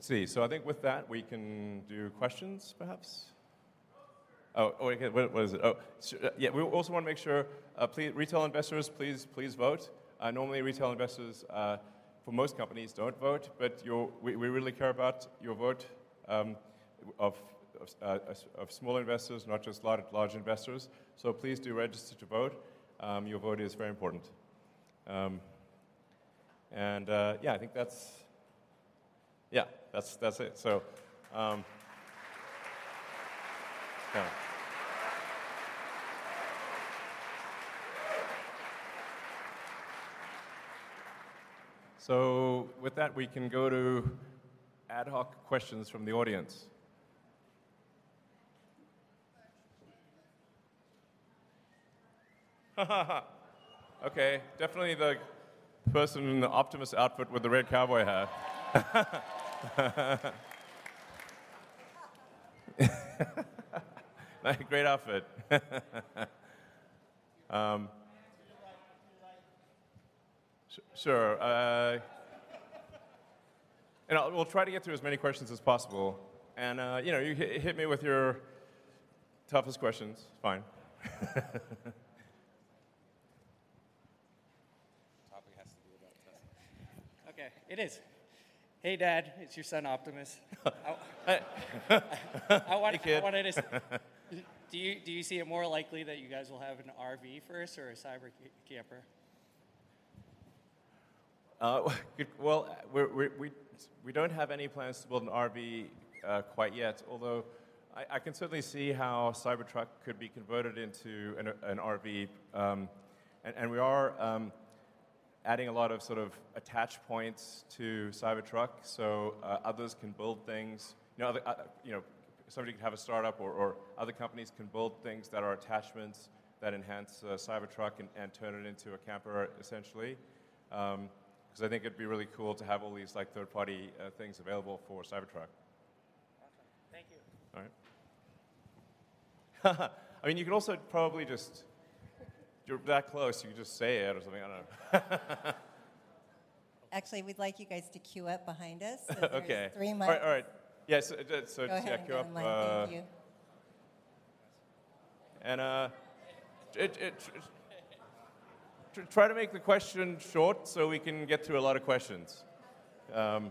Let's see. I think with that, we can do questions perhaps. Oh, sure. What is it? Yeah, we also want to make sure, retail investors, please vote. Normally retail investors for most companies don't vote, but we really care about your vote of small investors, not just large investors. Please do register to vote. Your vote is very important. And, yeah, I think that's... Yeah, that's it. Yeah. With that, we can go to ad hoc questions from the audience. Okay, definitely the person in the Optimus outfit with the red cowboy hat. Great outfit. Sure. We'll try to get through as many questions as possible and, you know, you hit me with your toughest questions. Fine. The topic has to be about Tesla. Okay. It is. Hey, Dad. It's your son, Optimus. Hey, kid. I wanted to, do you see it more likely that you guys will have an RV first or a CyberCamper? Well, we don't have any plans to build an RV quite yet, although I can certainly see how Cybertruck could be converted into an RV. We are adding a lot of sort of attach points to Cybertruck, so others can build things. You know, other, you know, somebody could have a startup or other companies can build things that are attachments that enhance the Cybertruck and turn it into a camper essentially. 'Cause I think it'd be really cool to have all these, like, third-party things available for Cybertruck. Awesome. Thank you. All right. I mean, you can also probably just... You're that close, you can just say it or something. I don't know. Actually, we'd like you guys to queue up behind us. Okay. There's three mics. All right. All right. Yeah, so just yeah, go up. Go ahead and grab a mic. Thank you. Try to make the question short, so we can get through a lot of questions. An Optimus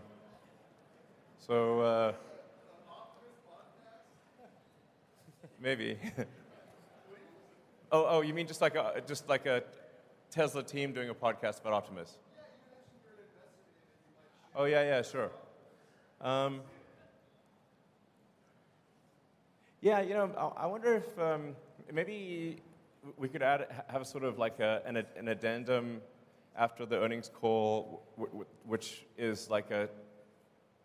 podcast? Maybe. Will you do one? Oh, oh, you mean just like a Tesla team doing a podcast about Optimus? You mentioned you were investigating it. You might share the results. Oh, yeah, sure. Share the results. Yeah, you know, I wonder if, maybe we could add, have a sort of like a, an addendum after the earnings call which is like a,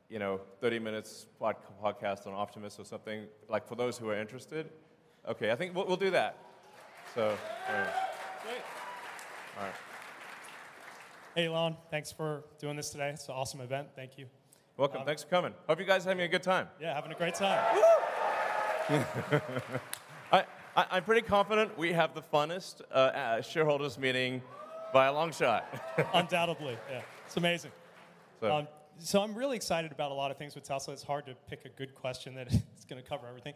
you know, 30 minutes podcast on Optimus or something, like for those who are interested. Okay. I think we'll do that. Anyway. Great. All right. Hey, Elon. Thanks for doing this today. It's an awesome event. Thank you. Welcome. Thanks for coming. Hope you guys are having a good time. Yeah, having a great time. Woo! I'm pretty confident we have the funnest shareholders meeting by a long shot. Undoubtedly, yeah. It's amazing. So- I'm really excited about a lot of things with Tesla. It's hard to pick a good question that is gonna cover everything.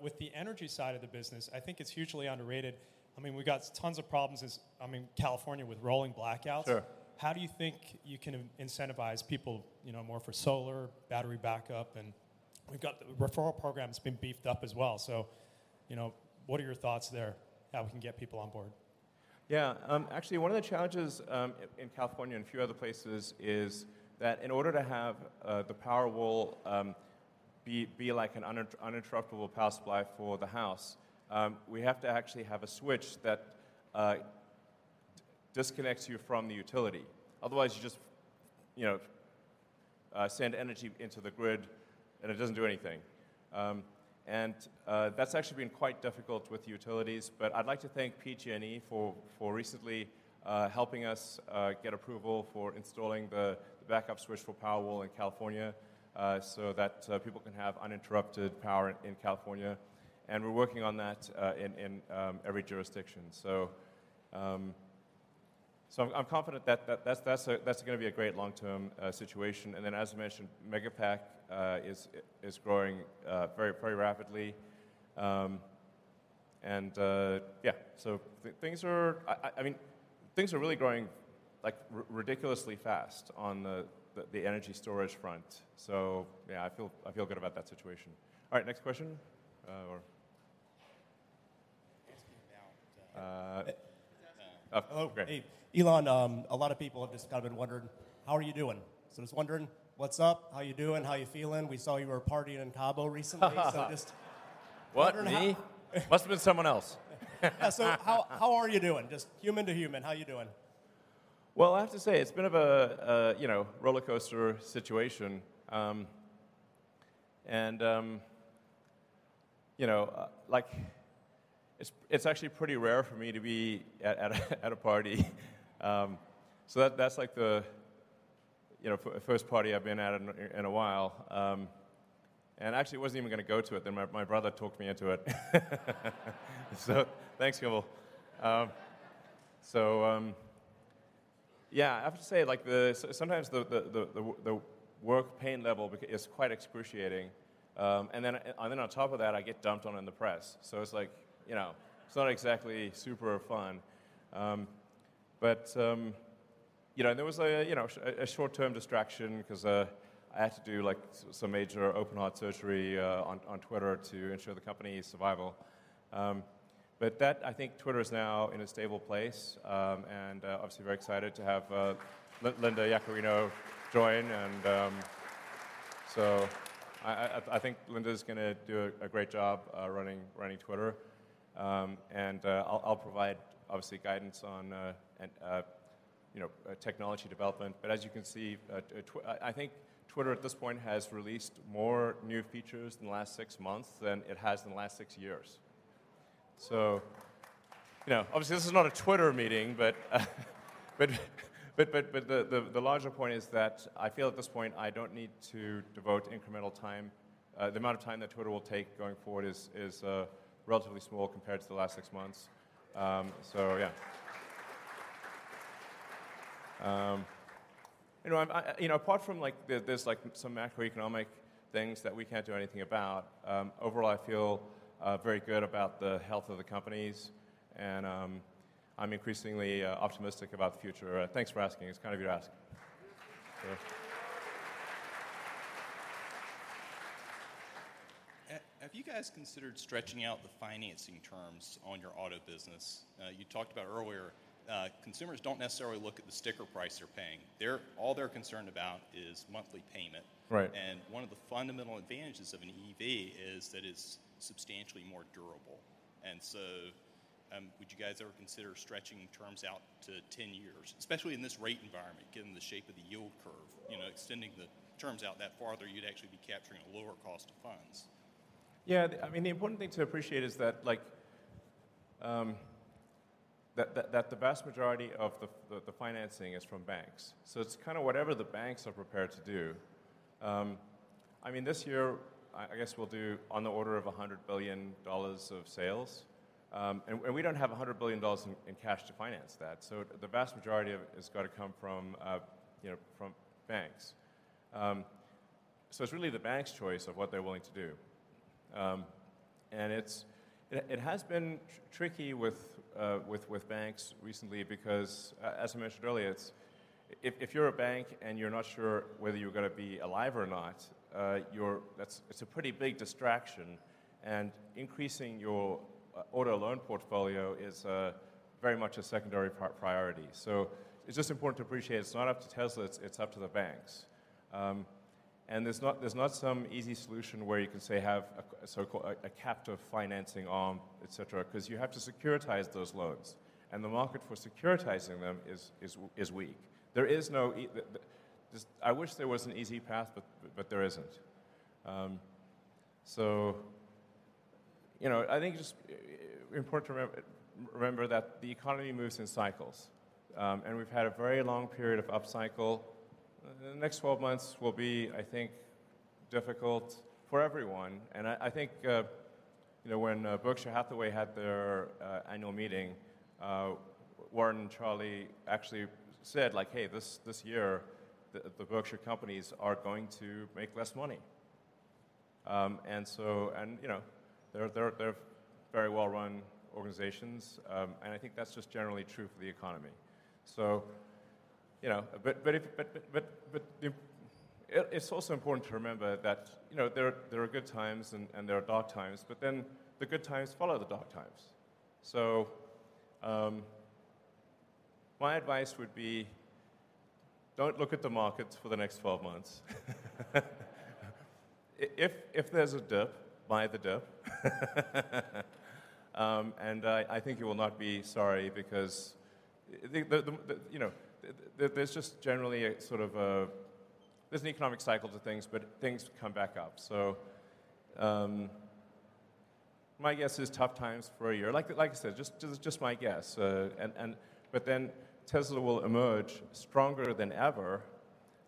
With the energy side of the business, I think it's hugely underrated. I mean, we've got tons of problems as, I mean, California with rolling blackouts. Sure. How do you think you can incentivize people, you know, more for solar, battery backup? We've got the referral program's been beefed up as well. You know, what are your thoughts there how we can get people on board? Actually one of the challenges in California and a few other places is that in order to have the Powerwall be like an uninterruptible power supply for the house, we have to actually have a switch that disconnects you from the utility. Otherwise, you just, you know, send energy into the grid, and it doesn't do anything. That's actually been quite difficult with utilities. I'd like to thank PG&E for recently helping us get approval for installing the backup switch for Powerwall in California so that people can have uninterrupted power in California, and we're working on that in every jurisdiction. I'm confident that's gonna be a great long-term situation. As mentioned, Megapack is growing very rapidly. Yeah. I mean, things are really growing like ridiculously fast on the energy storage front. Yeah, I feel good about that situation. All right, next question. Asking about. Uh. Oh. Hey. Okay. Elon, a lot of people have just kind of been wondering, how are you doing? I'm just wondering what's up? How you doing? How you feeling? We saw you were partying in Cabo recently. just wondering. What, me? Must've been someone else. Yeah, how are you doing? Just human to human, how you doing? Well, I have to say it's been of a, you know, rollercoaster situation. You know, like it's actually pretty rare for me to be at a, at a party. So that's like the, you know, first party I've been at in a while. Actually I wasn't even gonna go to it, then my brother talked me into it. Thanks, Kimbal. Yeah, I have to say like the, sometimes the work pain level is quite excruciating. Then on top of that, I get dumped on in the press. It's like, you know, it's not exactly super fun. You know, there was a, you know, a short-term distraction 'cause I had to do like some major open heart surgery on Twitter to ensure the company's survival. I think Twitter is now in a stable place. Obviously very excited to have Linda Yaccarino join and I think Linda's gonna do a great job running Twitter. I'll provide obviously guidance on, you know, technology development. As you can see, I think Twitter at this point has released more new features in the last six months than it has in the last six years. You know, obviously this is not a Twitter meeting, but the larger point is that I feel at this point I don't need to devote incremental time. The amount of time that Twitter will take going forward is relatively small compared to the last six months. Yeah. You know, I, you know, apart from like the, there's like some macroeconomic things that we can't do anything about, overall I feel very good about the health of the companies and I'm increasingly optimistic about the future. Thanks for asking. It's kind of you to ask. Have you guys considered stretching out the financing terms on your auto business? You talked about earlier, consumers don't necessarily look at the sticker price they're paying. All they're concerned about is monthly payment. Right. One of the fundamental advantages of an EV is that it's substantially more durable. Would you guys ever consider stretching terms out to 10 years? Especially in this rate environment, given the shape of the yield curve, you know, extending the terms out that farther, you'd actually be capturing a lower cost of funds. Yeah, I mean, the important thing to appreciate is that like that the vast majority of the financing is from banks. It's kinda whatever the banks are prepared to do. I mean, this year I guess we'll do on the order of $100 billion of sales, and we don't have $100 billion in cash to finance that. The vast majority of it has gotta come from, you know, from banks. It's really the banks' choice of what they're willing to do. It's. It has been tricky with banks recently because as I mentioned earlier, it's. If you're a bank and you're not sure whether you're gonna be alive or not, that's, it's a pretty big distraction, and increasing your auto loan portfolio is very much a secondary priority. It's just important to appreciate it's not up to Tesla, it's up to the banks. There's not some easy solution where you can, say, have a captive financing arm, et cetera, 'cause you have to securitize those loans, and the market for securitizing them is weak. There is no. Just I wish there was an easy path, but there isn't. You know, I think just important to remember that the economy moves in cycles, and we've had a very long period of up cycle. The next 12 months will be, I think, difficult for everyone, I think, you know, when Berkshire Hathaway had their annual meeting, Warren and Charlie actually said, like: "Hey, this year the Berkshire companies are going to make less money." You know, they're very well-run organizations, and I think that's just generally true for the economy. You know, but if... It's also important to remember that, you know, there are good times and there are dark times, the good times follow the dark times. My advice would be don't look at the markets for the next 12 months. If there's a dip, buy the dip. I think you will not be sorry because the, you know, there's just generally a sort of a... There's an economic cycle to things, but things come back up. My guess is tough times for 1 year. Like I said, just my guess. Tesla will emerge stronger than ever,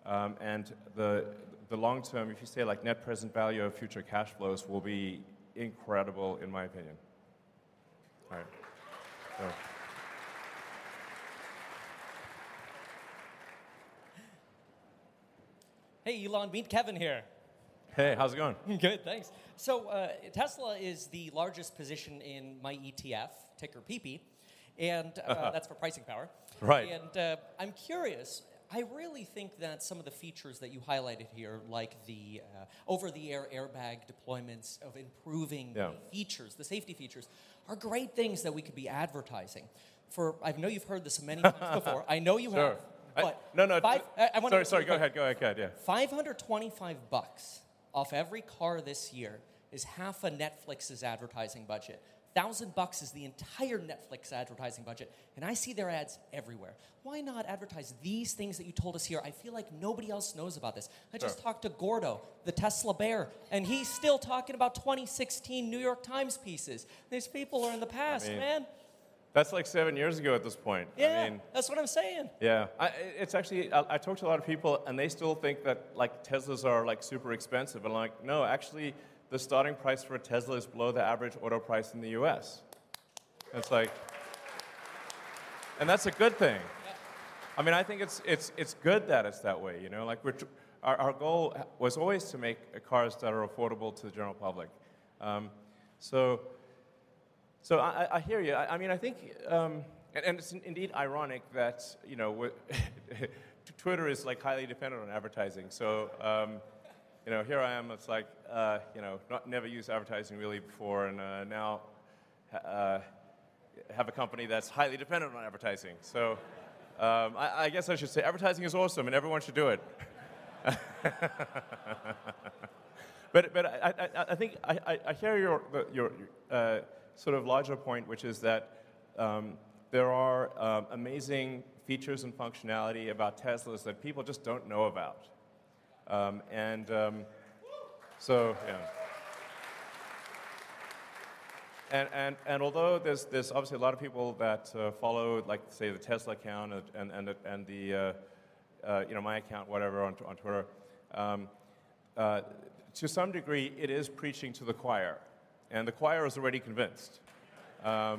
and the long term, if you say, like, net present value of future cash flows will be incredible in my opinion. All right. Hey, Elon. Meet Kevin here. Hey, how's it going? Good, thanks. Tesla is the largest position in my ETF, ticker PP, that's for pricing power. Right. I'm curious, I really think that some of the features that you highlighted here, like the over-the-air airbag deployments of improving- Yeah. The features, the safety features, are great things that we could be advertising for. I know you've heard this many times before. I know you have. Sure. But- No, no. Five. Sorry. Go ahead, yeah. $525 off every car this year is half of Netflix's advertising budget. $1,000 is the entire Netflix advertising budget, and I see their ads everywhere. Why not advertise these things that you told us here? I feel like nobody else knows about this. Sure. I just talked to Gordo, the Tesla bear. He's still talking about 2016 New York Times pieces. These people are in the past, man. I mean, that's like 7 years ago at this point. Yeah, that's what I'm saying. Yeah. Actually, I talk to a lot of people, and they still think that, like, Teslas are, like, super expensive. I'm like: "No, actually, the starting price for a Tesla is below the average auto price in the U.S." It's like, that's a good thing. Yeah. I mean, I think it's good that it's that way, you know? Like our goal was always to make cars that are affordable to the general public. So I hear you. I mean, I think. It's indeed ironic that, you know, Twitter is, like, highly dependent on advertising, so, you know, here I am, it's like, you know, not never used advertising really before and now have a company that's highly dependent on advertising, so, I guess I should say advertising is awesome and everyone should do it. But I think. I hear your, the, your sort of larger point, which is that there are amazing features and functionality about Teslas that people just don't know about. and, Whoo. Yeah. Although there's obviously a lot of people that follow, like, say, the Tesla account and the, you know, my account, whatever, on Twitter, to some degree it is preaching to the choir, and the choir is already convinced. I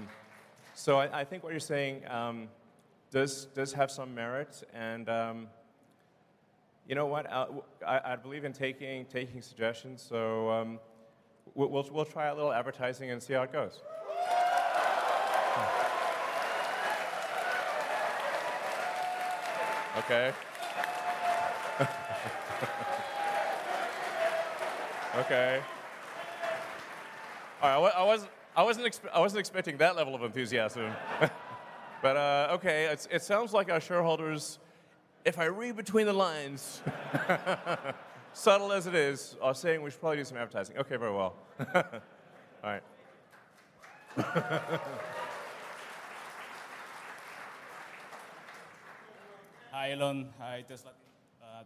think what you're saying, does have some merit and, you know what? I believe in taking suggestions, so, we'll try a little advertising and see how it goes. Okay. Okay. All right. I wasn't expecting that level of enthusiasm. Okay. It sounds like our shareholders, if I read between the lines, subtle as it is, are saying we should probably do some advertising. Okay. Very well. All right. Hi, Elon. Hi, Tesla.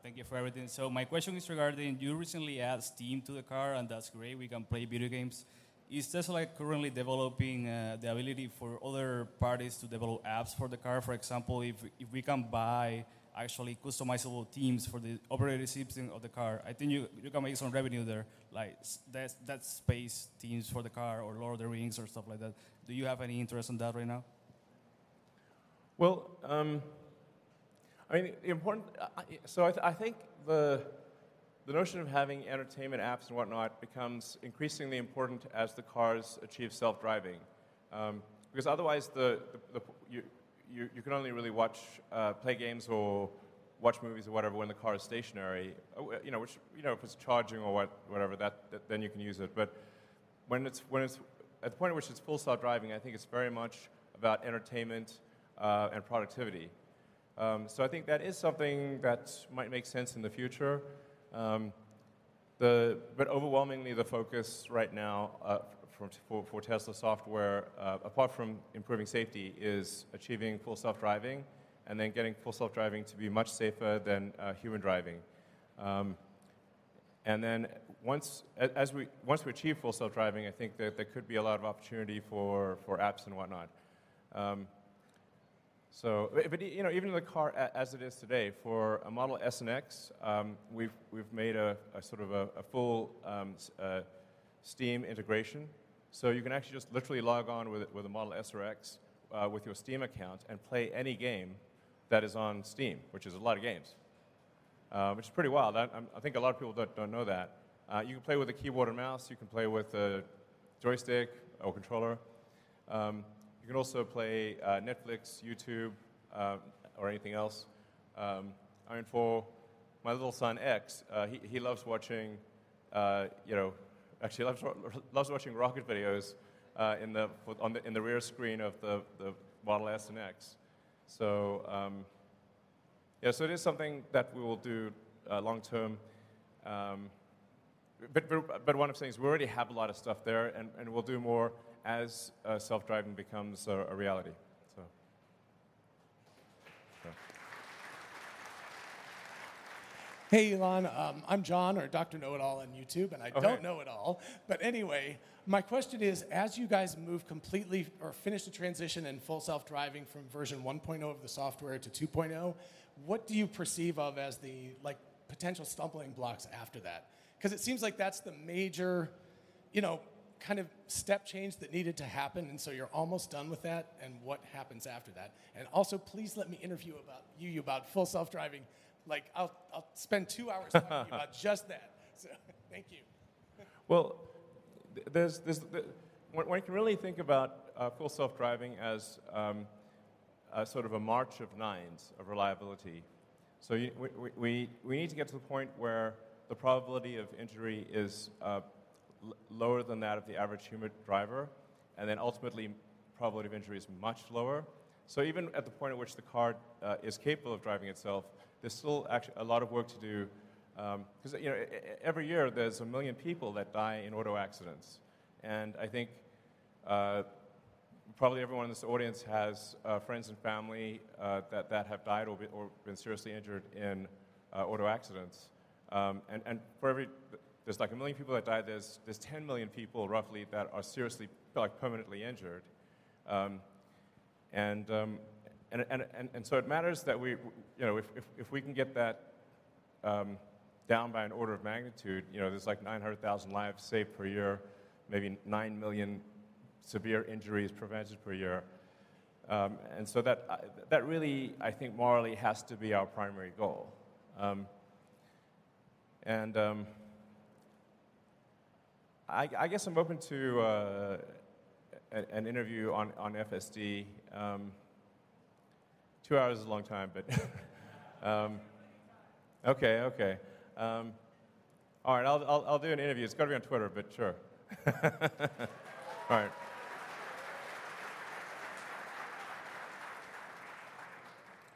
Thank you for everything. My question is regarding you recently add Steam to the car. That's great. We can play video games. Is Tesla currently developing the ability for other parties to develop apps for the car? For example, if we can buy actually customizable themes for the operating system of the car, I think you can make some revenue there, like that space themes for the car or Lord of the Rings or stuff like that. Do you have any interest in that right now? Well, I mean, important, so I think the notion of having entertainment apps and whatnot becomes increasingly important as the cars achieve self-driving. Because otherwise you can only really watch, play games or watch movies or whatever when the car is stationary. You know, which, you know, if it's charging or whatever, then you can use it. At the point at which it's Full Self-Driving, I think it's very much about entertainment and productivity. So I think that is something that might make sense in the future. Overwhelmingly, the focus right now for Tesla software, apart from improving safety, is achieving Full Self-Driving and then getting Full Self-Driving to be much safer than human driving. Once we achieve Full Self-Driving, I think there could be a lot of opportunity for apps and whatnot. You know, even in the car as it is today, for a Model S and X, we've made a sort of a full Steam integration. You can actually just literally log on with a Model S or X with your Steam account and play any game that is on Steam, which is a lot of games. Which is pretty wild. I think a lot of people don't know that. You can play with a keyboard or mouse, you can play with a joystick or controller. You can also play Netflix, YouTube, or anything else. I mean, for my little son, X, he loves watching, you know. Actually, he loves watching rocket videos, in the rear screen of the Model S and X. Yeah, so it is something that we will do, long term. One of the things, we already have a lot of stuff there and we'll do more as, self-driving becomes a reality, so. Hey, Elon. I'm John or Doctor Know It All on YouTube. Okay. Anyway, my question is, as you guys move completely or finish the transition in Full Self-Driving from version 1.0 of the software to 2.0, what do you perceive of as the, like, potential stumbling blocks after that? It seems like that's the major, you know, kind of step change that needed to happen. You're almost done with that, what happens after that? Also, please let me interview about you about Full Self-Driving. Like, I'll spend two hours talking about just that. Thank you. Well, there's the... One can really think about Full Self-Driving as a sort of a march of nines of reliability. You, we need to get to the point where the probability of injury is lower than that of the average human driver, and then ultimately, probability of injury is much lower. Even at the point at which the car is capable of driving itself, there's still a lot of work to do. 'Cause, you know, every year there's 1 million people that die in auto accidents, and I think probably everyone in this audience has friends and family that have died or been seriously injured in auto accidents. And for every... There's like 1 million people that die, there's 10 million people roughly that are seriously, like, permanently injured. It matters that we, you know, if we can get that down by an order of magnitude, you know, there's like 900,000 lives saved per year, maybe 9 million severe injuries prevented per year. That really, I think morally, has to be our primary goal. I guess I'm open to an interview on FSD. 2 hours is a long time, but- I can make time. Okay. Okay. All right. I'll do an interview. It's gotta be on Twitter, but sure. All right.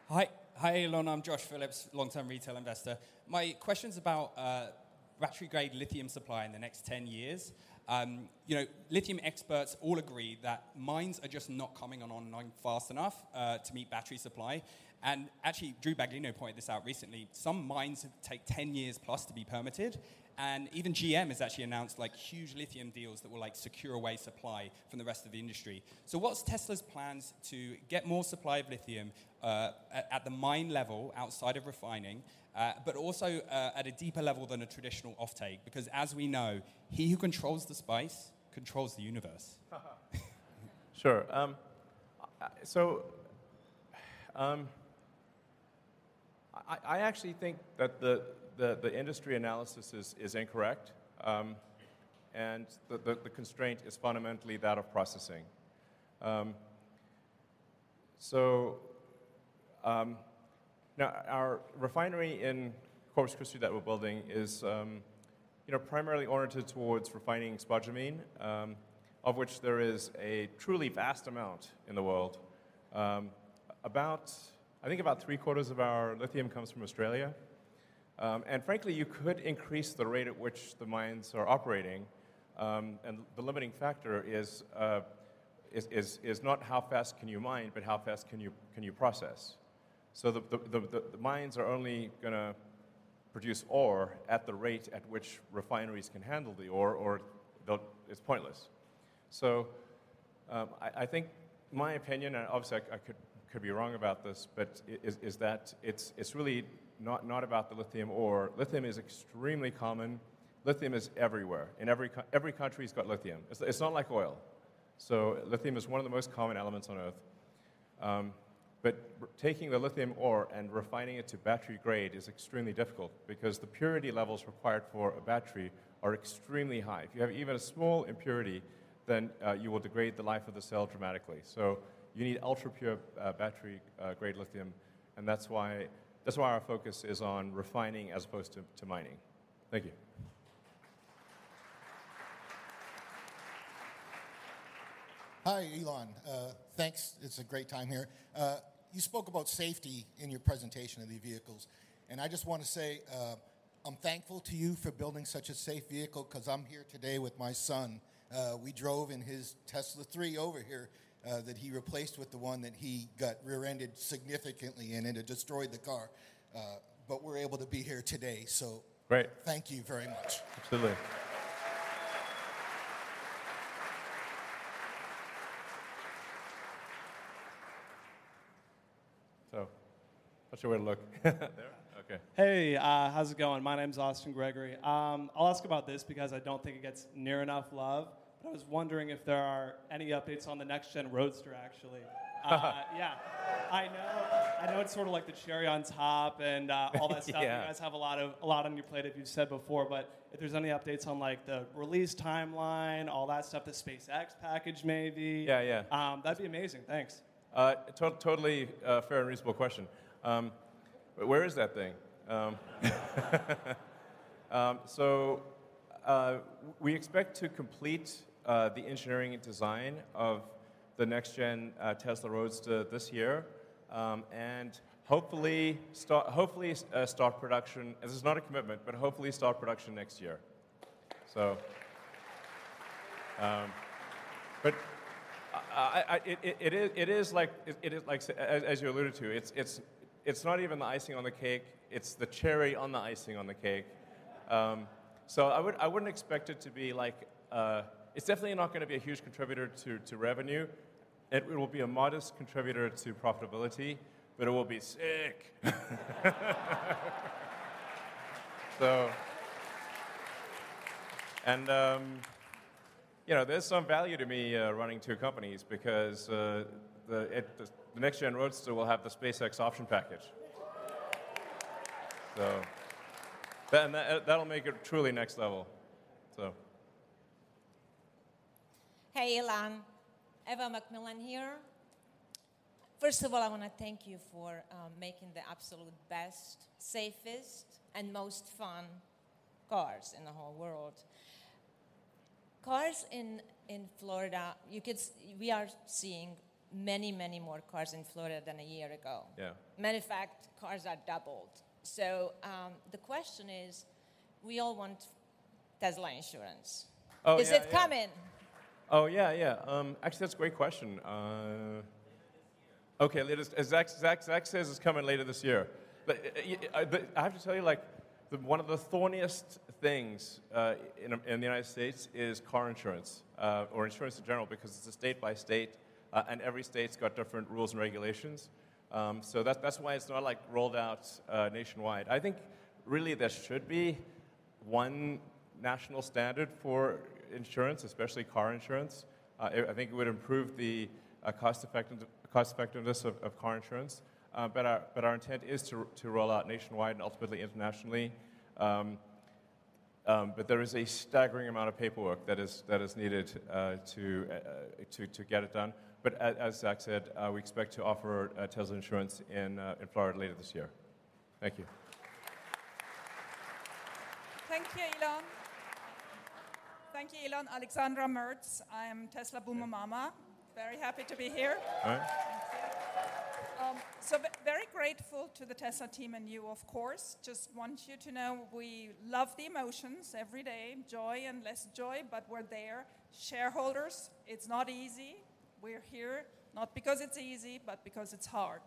Hi. Hi, Elon. I'm Josh Phillips, longtime retail investor. My question's about battery-grade lithium supply in the next 10 years. You know, lithium experts all agree that mines are just not coming online fast enough to meet battery supply. Actually, Drew Baglino pointed this out recently, some mines take 10 years plus to be permitted, and even GM has actually announced, like, huge lithium deals that will, like, secure away supply from the rest of the industry. What's Tesla's plans to get more supply of lithium at the mine level outside of refining, but also at a deeper level than a traditional offtake? Because as we know, he who controls the spice controls the universe. Sure. I actually think that the industry analysis is incorrect, and the constraint is fundamentally that of processing. Now our refinery in Corpus Christi that we're building is, you know, primarily oriented towards refining spodumene, of which there is a truly vast amount in the world. I think about three quarters of our lithium comes from Australia. Frankly, you could increase the rate at which the mines are operating, and the limiting factor is not how fast can you mine, but how fast can you process. The mines are only gonna produce ore at the rate at which refineries can handle the ore, or they'll... it's pointless. I think my opinion, and obviously I could be wrong about this, but is that it's really not about the lithium ore. Lithium is extremely common. Lithium is everywhere. In every country's got lithium. It's not like oil. Lithium is one of the most common elements on Earth. Taking the lithium ore and refining it to battery grade is extremely difficult because the purity levels required for a battery are extremely high. If you have even a small impurity, then you will degrade the life of the cell dramatically. You need ultra-pure battery grade lithium, and that's why our focus is on refining as opposed to mining. Thank you. Hi, Elon. Thanks, it's a great time here. You spoke about safety in your presentation of the vehicles, and I just wanna say, I'm thankful to you for building such a safe vehicle 'cause I'm here today with my son. We drove in his Model 3 over here, that he replaced with the one that he got rear-ended significantly in, and it destroyed the car, but we're able to be here today, so- Great. Thank you very much. Absolutely. Not sure where to look. There? Okay. Hey, how's it going? My name's Austin Gregory. I'll ask about this because I don't think it gets near enough love. I was wondering if there are any updates on the next gen Roadster, actually. Yeah. I know it's sort of like the cherry on top and all that stuff. Yeah. You guys have a lot on your plate, as you've said before, but if there's any updates on, like, the release timeline, all that stuff, the SpaceX package maybe? Yeah, yeah. That'd be amazing. Thanks. Totally fair and reasonable question. Where is that thing? We expect to complete the engineering and design of the next gen Tesla Roadster this year. Hopefully start production, this is not a commitment, but hopefully start production next year. I. It is like, as you alluded to, it's not even the icing on the cake, it's the cherry on the icing on the cake. I would, I wouldn't expect it to be, like, it's definitely not gonna be a huge contributor to revenue. It will be a modest contributor to profitability, but it will be sick. You know, there's some value to me running 2 companies because the next gen Roadster will have the SpaceX option package. That'll make it truly next level. Hey, Elon. Eva McMillan here. First of all, I wanna thank you for making the absolute best, safest, and most fun cars in the whole world. Cars in Florida, we are seeing many, many more cars in Florida than a year ago. Yeah. Matter of fact, cars are doubled. The question is, we all want Tesla insurance. Oh, yeah. Is it coming? Oh, yeah. Actually, that's a great question. Later this year. Okay, Zach says it's coming later this year. I have to tell you, like, the one of the thorniest things in the United States is car insurance, or insurance in general because it's a state by state, and every state's got different rules and regulations. That, that's why it's not, like, rolled out nationwide. I think really there should be one national standard for insurance, especially car insurance. It, I think it would improve the cost effectiveness of car insurance. Our intent is to roll out nationwide and ultimately internationally. There is a staggering amount of paperwork that is needed to get it done. As Zach said, we expect to offer Tesla insurance in Florida later this year. Thank you. Thank you, Elon. Thank you, Elon. Alexandra Merz. I am Tesla Boomer Mama. Very happy to be here. All right. Thank you. very grateful to the Tesla team and you, of course. Just want you to know we love the emotions every day, joy and less joy, but we're there. Shareholders, it's not easy. We're here not because it's easy, but because it's hard.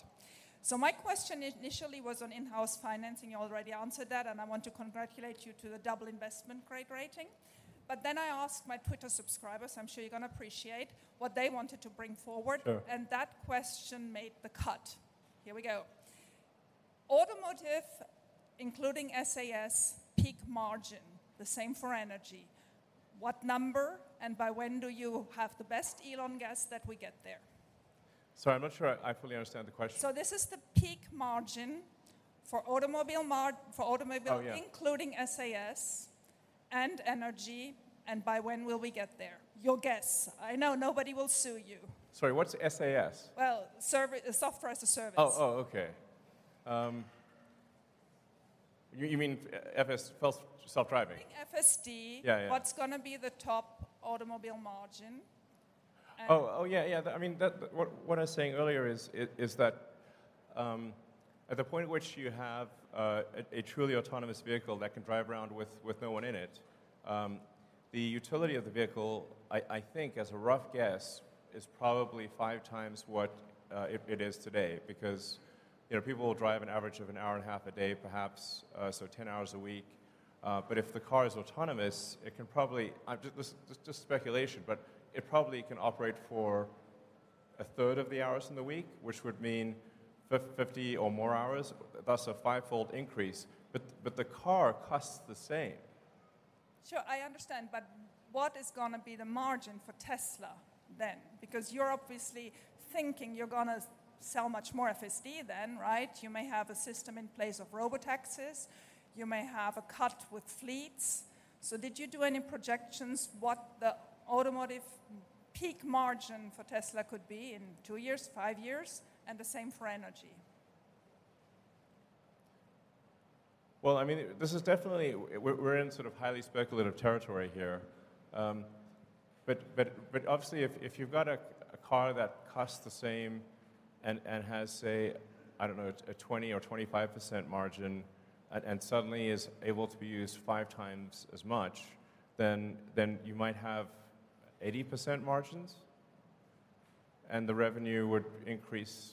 My question initially was on in-house financing. You already answered that, and I want to congratulate you to the double investment grade rating. I asked my Twitter subscribers, I'm sure you're gonna appreciate, what they wanted to bring forward... Sure. That question made the cut. Here we go. Automotive, including SGA peak margin, the same for energy. What number and by when do you have the best Elon guess that we get there? Sorry, I'm not sure I fully understand the question. This is the peak margin for automobile. Oh, yeah. including SGA and energy, and by when will we get there? Your guess. I know nobody will sue you. Sorry, what's SGA? Well, software as a service. Oh, oh, okay. You mean Full Self-Driving? Including FSD. Yeah, yeah. What's gonna be the top automobile margin? Oh, yeah. I mean, that, what I was saying earlier is that at the point at which you have a truly autonomous vehicle that can drive around with no one in it, the utility of the vehicle, I think as a rough guess, is probably 5x what it is today. Because, you know, people will drive an average of an hour and a half a day perhaps, so 10 hours a week. If the car is autonomous, it can probably... This is just speculation, but it probably can operate for a third of the hours in the week, which would mean 50 or more hours, thus a five-fold increase. The car costs the same. Sure, I understand, what is gonna be the margin for Tesla then? Because you're obviously thinking you're gonna sell much more FSD then, right? You may have a system in place of Robotaxis, you may have a cut with fleets. Did you do any projections what the automotive peak margin for Tesla could be in 2 years, 5 years, and the same for energy? I mean, this is definitely. We're in sort of highly speculative territory here. Obviously if you've got a car that costs the same and has, say, I don't know, a 20% or 25% margin and suddenly is able to be used 5x as much, then you might have 80% margins, and the revenue would increase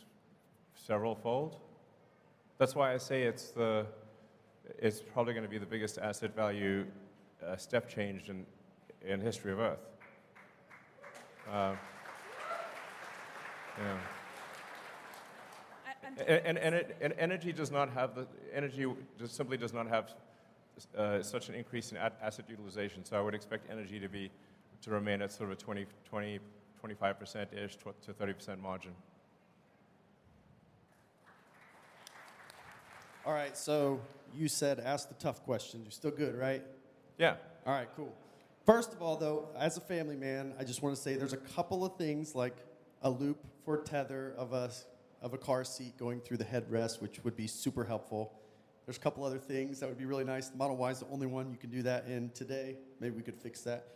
several fold. That's why I say it's probably gonna be the biggest asset value step change in the history of Earth. Yeah. And, and, and- Energy just simply does not have such an increase in asset utilization, so I would expect energy to remain at sort of a 20%, 25%-ish to 30% margin. All right. You said ask the tough questions. You're still good, right? Yeah. All right, cool. First of all, though, as a family man, I just wanna say there's a couple of things like a loop for tether of a car seat going through the headrest, which would be super helpful. There's a couple other things that would be really nice. The Model Y is the only one you can do that in today. Maybe we could fix that.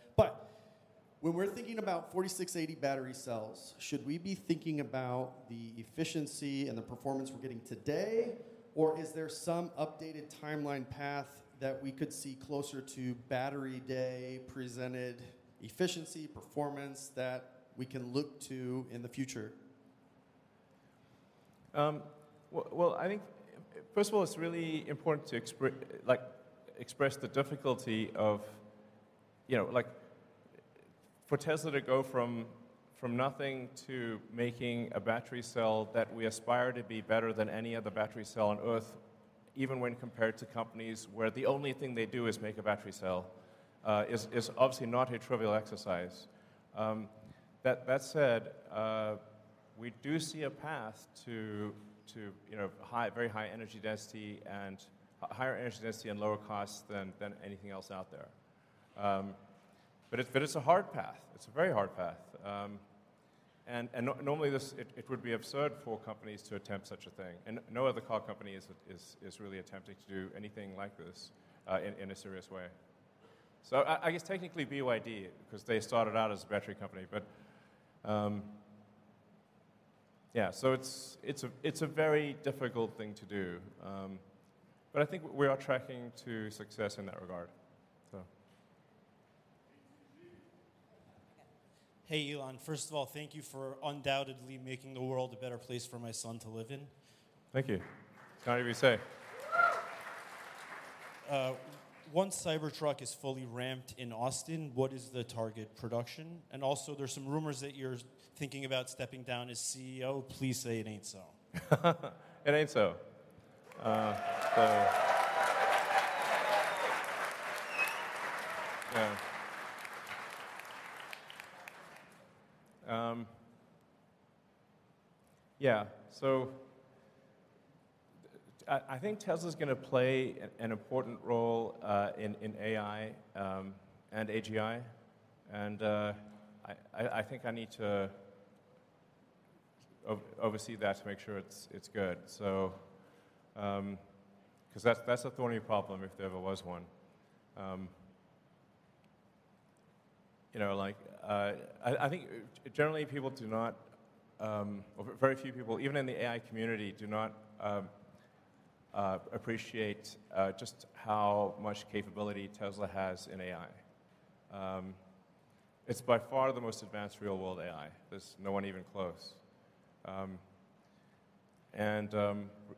When we're thinking about 4680 battery cells, should we be thinking about the efficiency and the performance we're getting today? Is there some updated timeline path that we could see closer to Battery Day presented efficiency, performance that we can look to in the future? Well, I think, first of all, it's really important to express the difficulty of, you know, like for Tesla to go from nothing to making a battery cell that we aspire to be better than any other battery cell on Earth, even when compared to companies where the only thing they do is make a battery cell, is obviously not a trivial exercise. That said, we do see a path to, you know, high, very high energy density and higher energy density and lower cost than anything else out there. It's a hard path. It's a very hard path. Normally this, it would be absurd for companies to attempt such a thing. No other car company is really attempting to do anything like this, in a serious way. I guess technically BYD 'cause they started out as a battery company. Yeah, it's a very difficult thing to do. I think we are tracking to success in that regard. Hey, Elon. First of all, thank you for undoubtedly making the world a better place for my son to live in. Thank you. It's kind of you to say. Once Cybertruck is fully ramped in Austin, what is the target production? Also, there's some rumors that you're thinking about stepping down as CEO. Please say it ain't so. It ain't so. Yeah. I think Tesla's gonna play an important role in AI and AGI, and I think I need to oversee that to make sure it's good. Because that's a thorny problem if there ever was one. You know, like, I think generally people do not, or very few people, even in the AI community, do not appreciate just how much capability Tesla has in AI. It's by far the most advanced real world AI. There's no one even close. And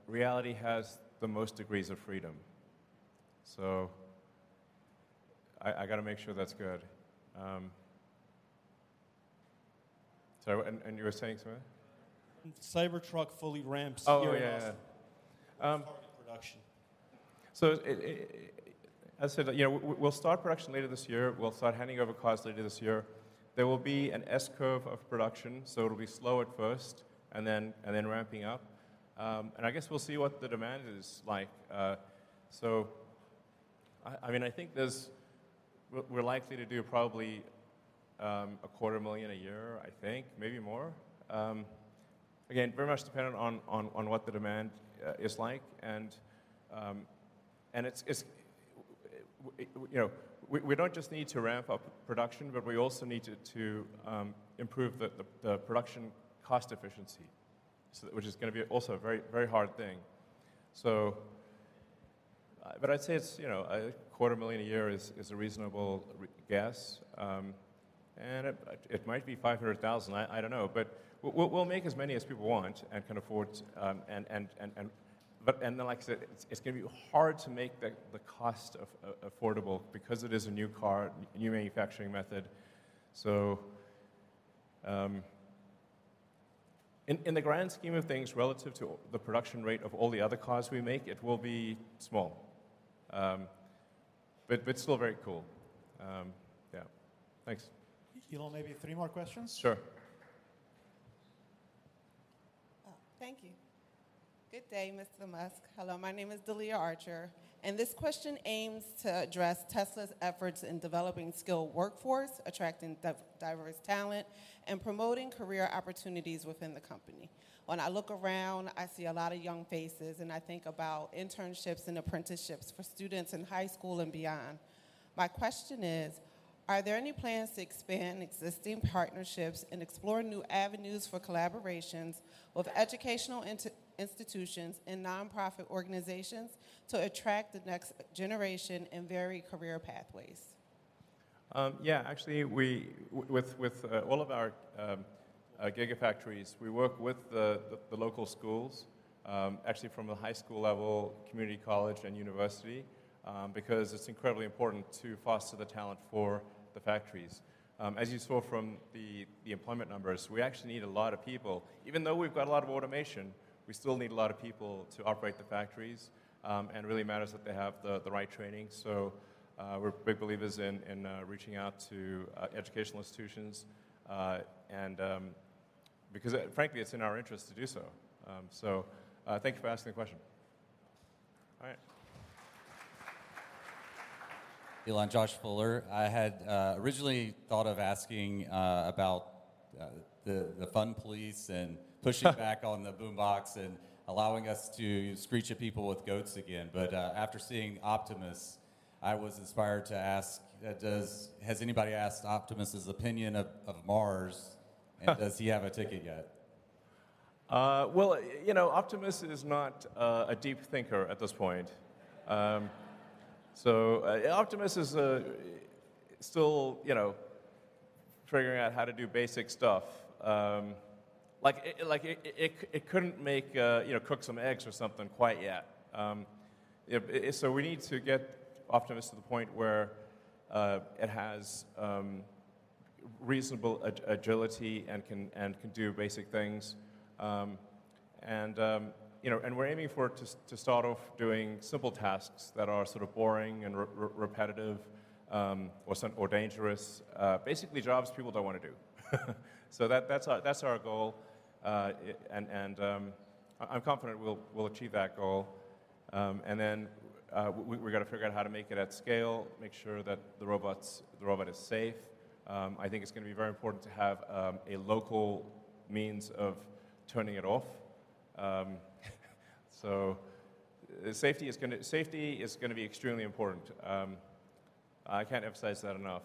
reality has the most degrees of freedom, so I gotta make sure that's good. Sorry, and you were saying something? When Cybertruck fully ramps here in Austin... Oh, yeah. what's the target production? As said, yeah, we'll start production later this year. We'll start handing over cars later this year. There will be an S curve of production, so it'll be slow at first and then ramping up. I guess we'll see what the demand is like. I mean, I think we're likely to do probably a quarter million a year, I think, maybe more. Again, very much dependent on what the demand is like and it's You know, we don't just need to ramp up production, but we also need to improve the production cost efficiency. Which is gonna be also a very, very hard thing. But I'd say it's, you know, a quarter million a year is a reasonable guess, and it might be $500,000. I don't know. We'll make as many as people want and can afford. Then like I said, it's gonna be hard to make the cost affordable because it is a new car, new manufacturing method. In the grand scheme of things, relative to the production rate of all the other cars we make, it will be small. Still very cool. Yeah. Thanks. Elon, maybe three more questions. Sure. Thank you. Good day, Mr. Musk. Hello, my name is Delia Archer. This question aims to address Tesla's efforts in developing skilled workforce, attracting diverse talent, and promoting career opportunities within the company. When I look around, I see a lot of young faces, and I think about internships and apprenticeships for students in high school and beyond. My question is, are there any plans to expand existing partnerships and explore new avenues for collaborations with educational institutions and nonprofit organizations to attract the next generation in varied career pathways? Yeah, actually, with all of our gigafactories, we work with the local schools, actually from the high school level, community college, and university, because it's incredibly important to foster the talent for the factories. As you saw from the employment numbers, we actually need a lot of people. Even though we've got a lot of automation, we still need a lot of people to operate the factories, and it really matters that they have the right training. We're big believers in reaching out to educational institutions, and because, frankly, it's in our interest to do so. Thank you for asking the question. All right. Elon, Josh Fuller. I had originally thought of asking about the fun police and pushing back on the boombox and allowing us to screech at people with goats again. After seeing Optimus, I was inspired to ask, has anybody asked Optimus' opinion of Mars and does he have a ticket yet? Well, you know, Optimus is not a deep thinker at this point. Optimus is still, you know, figuring out how to do basic stuff. Like, it couldn't make, you know, cook some eggs or something quite yet. We need to get Optimus to the point where it has reasonable agility and can do basic things. You know, we're aiming for it to start off doing simple tasks that are sort of boring and repetitive or dangerous. Basically jobs people don't wanna do. That's our goal, it, I'm confident we'll achieve that goal. We gotta figure out how to make it at scale, make sure that the robot is safe. I think it's gonna be very important to have a local means of turning it off, so safety is gonna be extremely important. I can't emphasize that enough.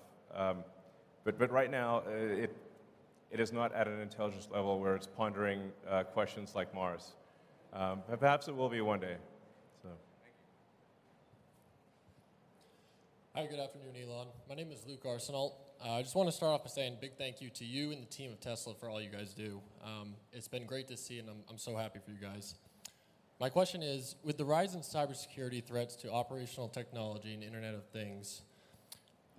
Right now, it is not at an intelligence level where it's pondering questions like Mars. it will be one day, so. Thank you. Hi, good afternoon, Elon. My name is Luke Arsenal. I just wanna start off by saying a big thank you to you and the team of Tesla for all you guys do. It's been great to see, and I'm so happy for you guys. My question is, with the rise in cybersecurity threats to operational technology and Internet of Things,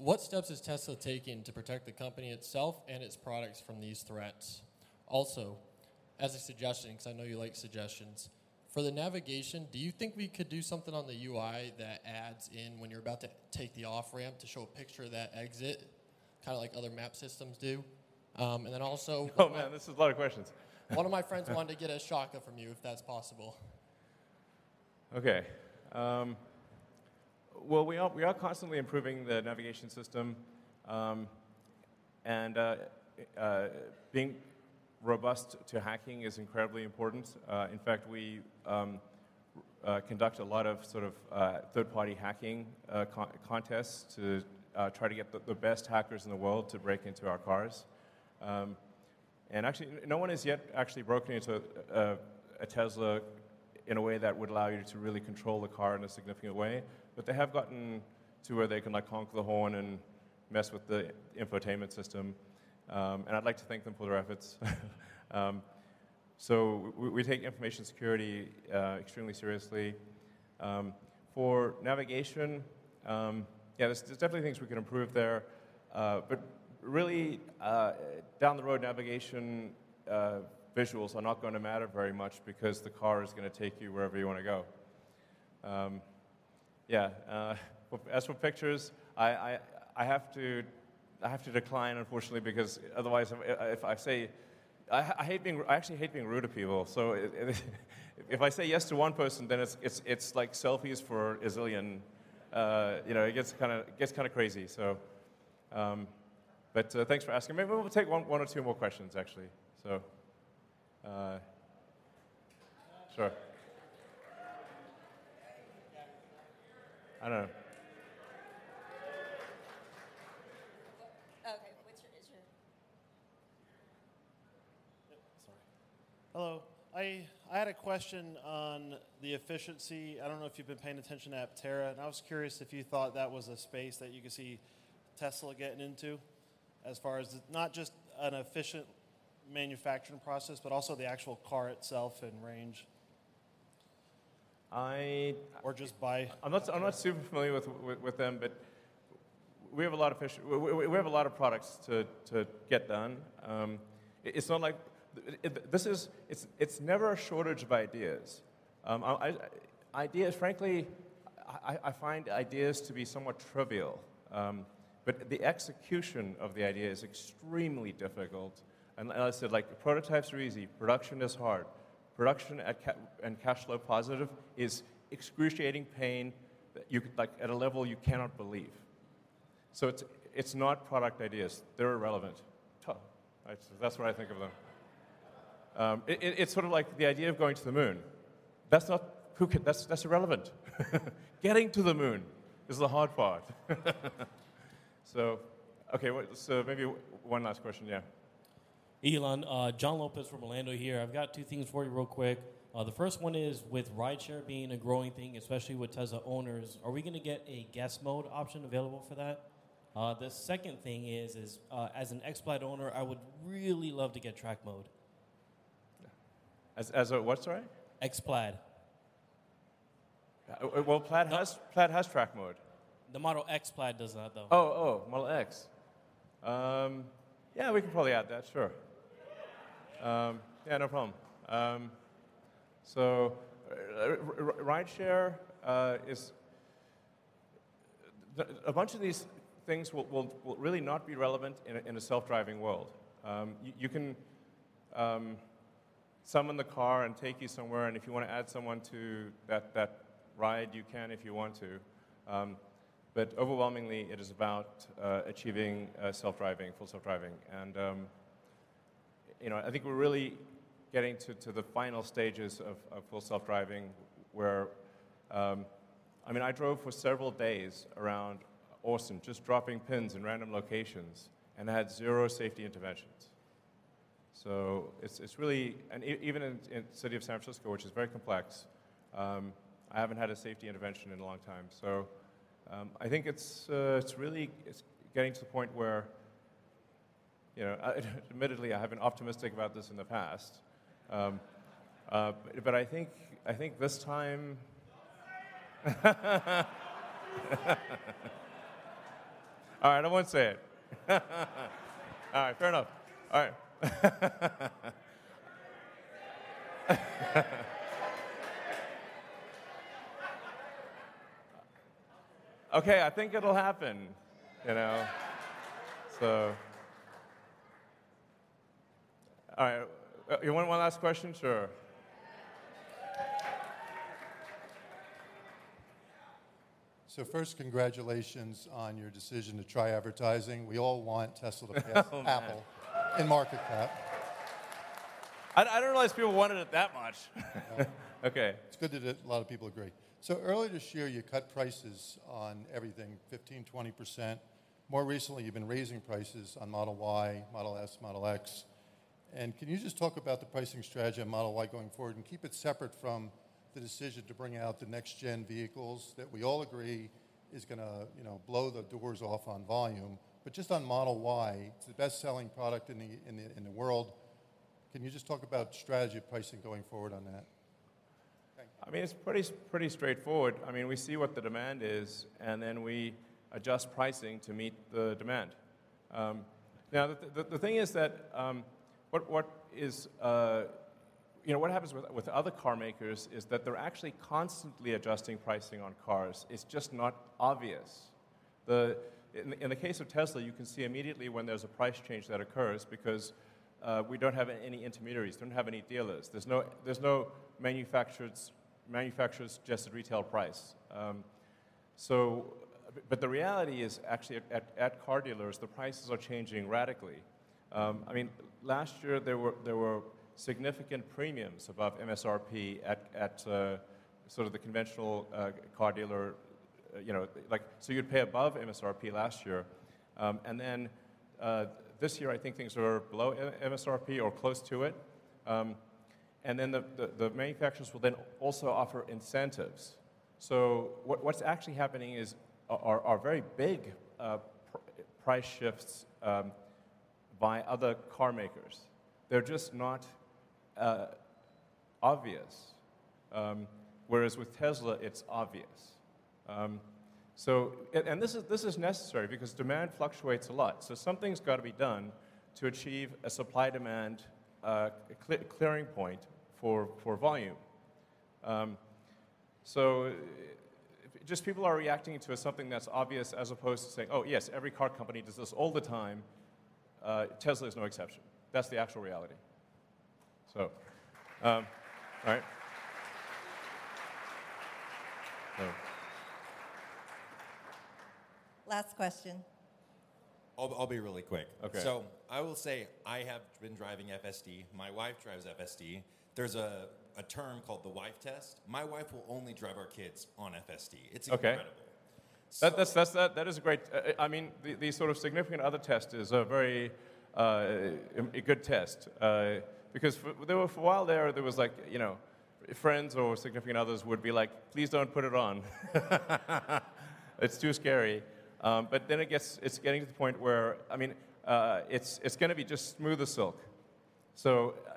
what steps is Tesla taking to protect the company itself and its products from these threats? Also, as a suggestion, 'cause I know you like suggestions, for the navigation, do you think we could do something on the UI that adds in when you're about to take the off-ramp to show a picture of that exit, kinda like other map systems do? also- Oh, man, this is a lot of questions. One of my friends wanted to get a shaka from you, if that's possible. Okay. Well, we are constantly improving the navigation system, and being robust to hacking is incredibly important. In fact, we conduct a lot of sort of third-party hacking contests to try to get the best hackers in the world to break into our cars. Actually, no one has yet actually broken into a Tesla in a way that would allow you to really control the car in a significant way. They have gotten to where they can, like, honk the horn and mess with the infotainment system, and I'd like to thank them for their efforts. We take information security extremely seriously. For navigation, yeah, there's definitely things we can improve there. Really, down the road, navigation visuals are not gonna matter very much because the car is gonna take you wherever you wanna go. Yeah, as for pictures, I have to decline, unfortunately. Otherwise if I say... I actually hate being rude to people. If I say yes to one person, then it's like selfies for a zillion. You know, it gets kinda, it gets kinda crazy. Thanks for asking. Maybe we'll take one or two more questions, actually. Sure. I know. Okay. Sorry. Hello. I had a question on the efficiency. I don't know if you've been paying attention to Aptera, and I was curious if you thought that was a space that you could see Tesla getting into as far as not just an efficient manufacturing process, but also the actual car itself and range? I- just buy- I'm not super familiar with them, but we have a lot of products to get done. It's not like It's never a shortage of ideas. Ideas, frankly, I find ideas to be somewhat trivial. The execution of the idea is extremely difficult. As I said, like, prototypes are easy, production is hard. Production at and cash flow positive is excruciating pain like at a level you cannot believe. It's not product ideas, they're irrelevant. Tough, right? That's what I think of them. It's sort of like the idea of going to the moon. That's irrelevant. Getting to the moon is the hard part. Okay. Maybe one last question. Yeah. Elon, John Lopez from Orlando here. I've got two things for you real quick. The first one is, with rideshare being a growing thing, especially with Tesla owners, are we gonna get a guest mode option available for that? The second thing is, as an X Plaid owner, I would really love to get Track Mode. As a what, sorry? X Plaid. Well, Plaid has Track Mode. The Model X Plaid does not, though. Oh, oh, Model X. Yeah, we can probably add that, sure. Yeah, no problem. Rideshare. A bunch of these things will really not be relevant in a self-driving world. You can summon the car and take you somewhere, and if you wanna add someone to that ride, you can if you want to. Overwhelmingly, it is about achieving self-driving, full self-driving. You know, I think we're really getting to the final stages of full self-driving where. I mean, I drove for several days around Austin just dropping pins in random locations, and I had 0 safety interventions. It's really. Even in the city of San Francisco, which is very complex, I haven't had a safety intervention in a long time. I think it's really, it's getting to the point where, you know, admittedly, I have been optimistic about this in the past. I think. Don't say it! All right, I won't say it. All right, fair enough. All right. Okay, I think it'll happen, you know? All right. You want one last question? Sure. First, congratulations on your decision to try advertising. We all want Tesla to pass Apple in market cap. I didn't realize people wanted it that much. I know. Okay. It's good that a lot of people agree. Earlier this year, you cut prices on everything 15%, 20%. More recently, you've been raising prices on Model Y, Model S, Model X. Can you just talk about the pricing strategy on Model Y going forward, and keep it separate from the decision to bring out the next-gen vehicles that we all agree is gonna, you know, blow the doors off on volume. Just on Model Y, it's the best-selling product in the world. Can you just talk about strategy pricing going forward on that? Thank you. I mean, it's pretty straightforward. I mean, we see what the demand is. Then we adjust pricing to meet the demand. Now, the thing is that, what is, you know, what happens with other car makers is that they're actually constantly adjusting pricing on cars. It's just not obvious. In the case of Tesla, you can see immediately when there's a price change that occurs because we don't have any intermediaries, don't have any dealers. There's no manufacturer's suggested retail price. The reality is actually at car dealers, the prices are changing radically. I mean, last year there were significant premiums above MSRP at sort of the conventional car dealer, you know, like, you'd pay above MSRP last year. Then, this year, I think things are below MSRP or close to it. Then the manufacturers will then also offer incentives. What's actually happening is very big price shifts by other car makers. They're just not obvious. Whereas with Tesla it's obvious. And this is necessary because demand fluctuates a lot, so something's gotta be done to achieve a supply-demand clearing point for volume. Just people are reacting to something that's obvious as opposed to saying, "Oh, yes, every car company does this all the time." Tesla is no exception. That's the actual reality. All right. Last question. I'll be really quick. Okay. I will say I have been driving FSD, my wife drives FSD. There's a term called the wife test. My wife will only drive our kids on FSD. Okay. It's incredible. That is a great. I mean, the sort of significant other test is a very good test because there for a while there was like, you know, friends or significant others would be like, "Please don't put it on." "It's too scary." It's getting to the point where, I mean, it's gonna be just smooth as silk.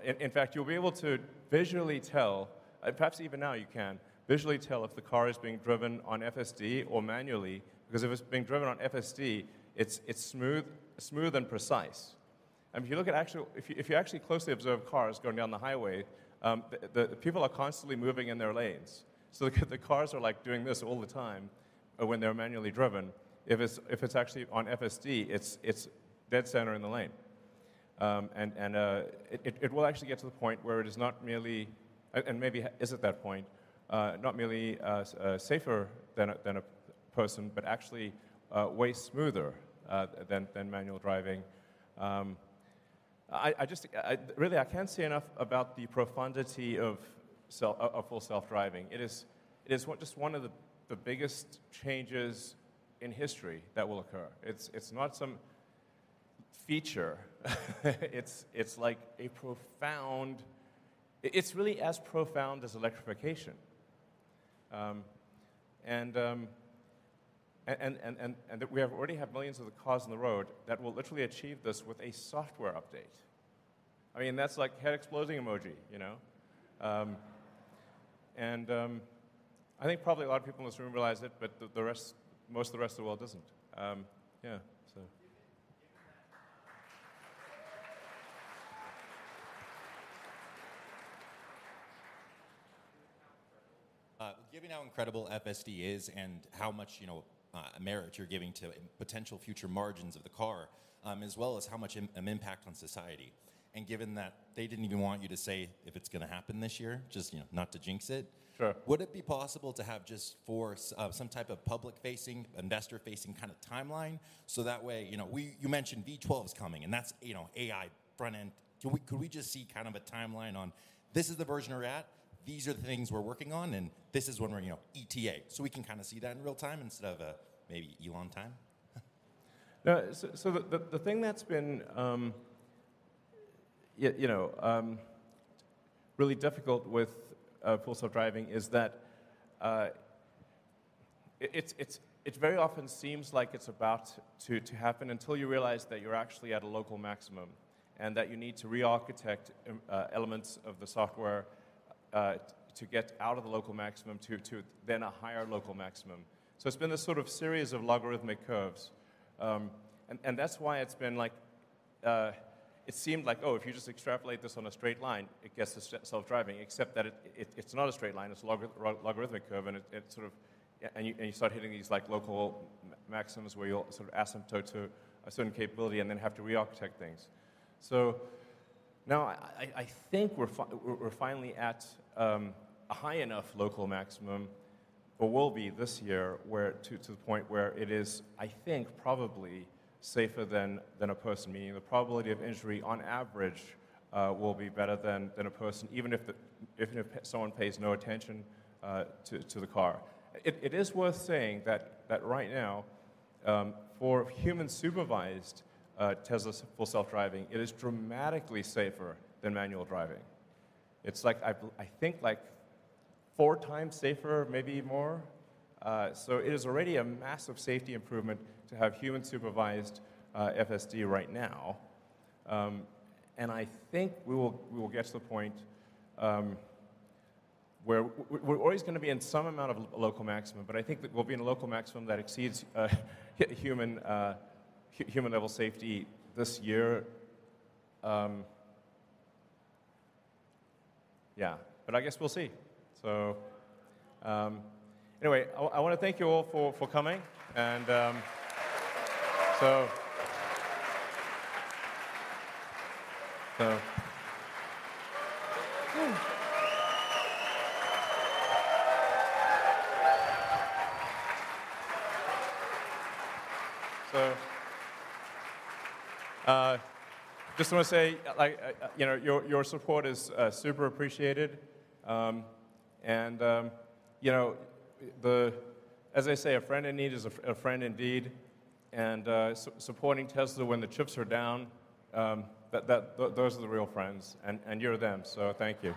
In fact, you'll be able to visually tell, perhaps even now you can, visually tell if the car is being driven on FSD or manually, because if it's being driven on FSD, it's smooth and precise. If you look at if you actually closely observe cars going down the highway, the people are constantly moving in their lanes. The cars are, like, doing this all the time when they're manually driven. If it's actually on FSD, it's dead center in the lane. It will actually get to the point where it is not merely, and maybe is at that point, not merely safer than a person, but actually way smoother than manual driving. I really can't say enough about the profundity of Full Self-Driving. It is just one of the biggest changes in history that will occur. It's not some feature. It's like a profound. It's really as profound as electrification. We have already have millions of the cars on the road that will literally achieve this with a software update. I mean, that's like head exploding emoji, you know? I think probably a lot of people in this room realize it, but the rest, most of the rest of the world doesn't. Yeah, so. Given how incredible FSD is and how much, you know, merit you're giving to potential future margins of the car, as well as how much impact on society, given that they didn't even want you to say if it's gonna happen this year, just, you know, not to jinx it. Sure. Would it be possible to have just for some type of public-facing, investor-facing kind of timeline? That way, you know, you mentioned V12 is coming, and that's, you know, AI front end. Could we just see kind of a timeline on this is the version we're at, these are the things we're working on, and this is when we're, you know, ETA? We can kind of see that in real-time instead of maybe Elon time. No, so the thing that's been, you know, really difficult with Full Self-Driving is that it's very often seems like it's about to happen until you realize that you're actually at a local maximum and that you need to re-architect elements of the software to get out of the local maximum to then a higher local maximum. It's been this sort of series of logarithmic curves. That's why it's been like, it seemed like, oh, if you just extrapolate this on a straight line, it gets to self-driving, except that it's not a straight line, it's a logarithmic curve, and it sort of. You start hitting these, like, local maximums where you'll sort of asymptote to a certain capability and then have to re-architect things. I think we're finally at a high enough local maximum or will be this year, where to the point where it is, I think, probably safer than a person, meaning the probability of injury on average, will be better than a person, even if the, even if someone pays no attention to the car. It is worth saying that right now, for human-supervised Tesla's Full Self-Driving, it is dramatically safer than manual driving. It's like, I think like 4x safer, maybe more. It is already a massive safety improvement to have human-supervised FSD right now. I think we will get to the point where we're always gonna be in some amount of local maximum, but I think that we'll be in a local maximum that exceeds human human-level safety this year. Yeah. I guess we'll see. Anyway, I wanna thank you all for coming and just wanna say, like, you know, your support is super appreciated. You know, as they say, a friend in need is a friend indeed, and supporting Tesla when the chips are down, that those are the real friends, and you're them, so thank you.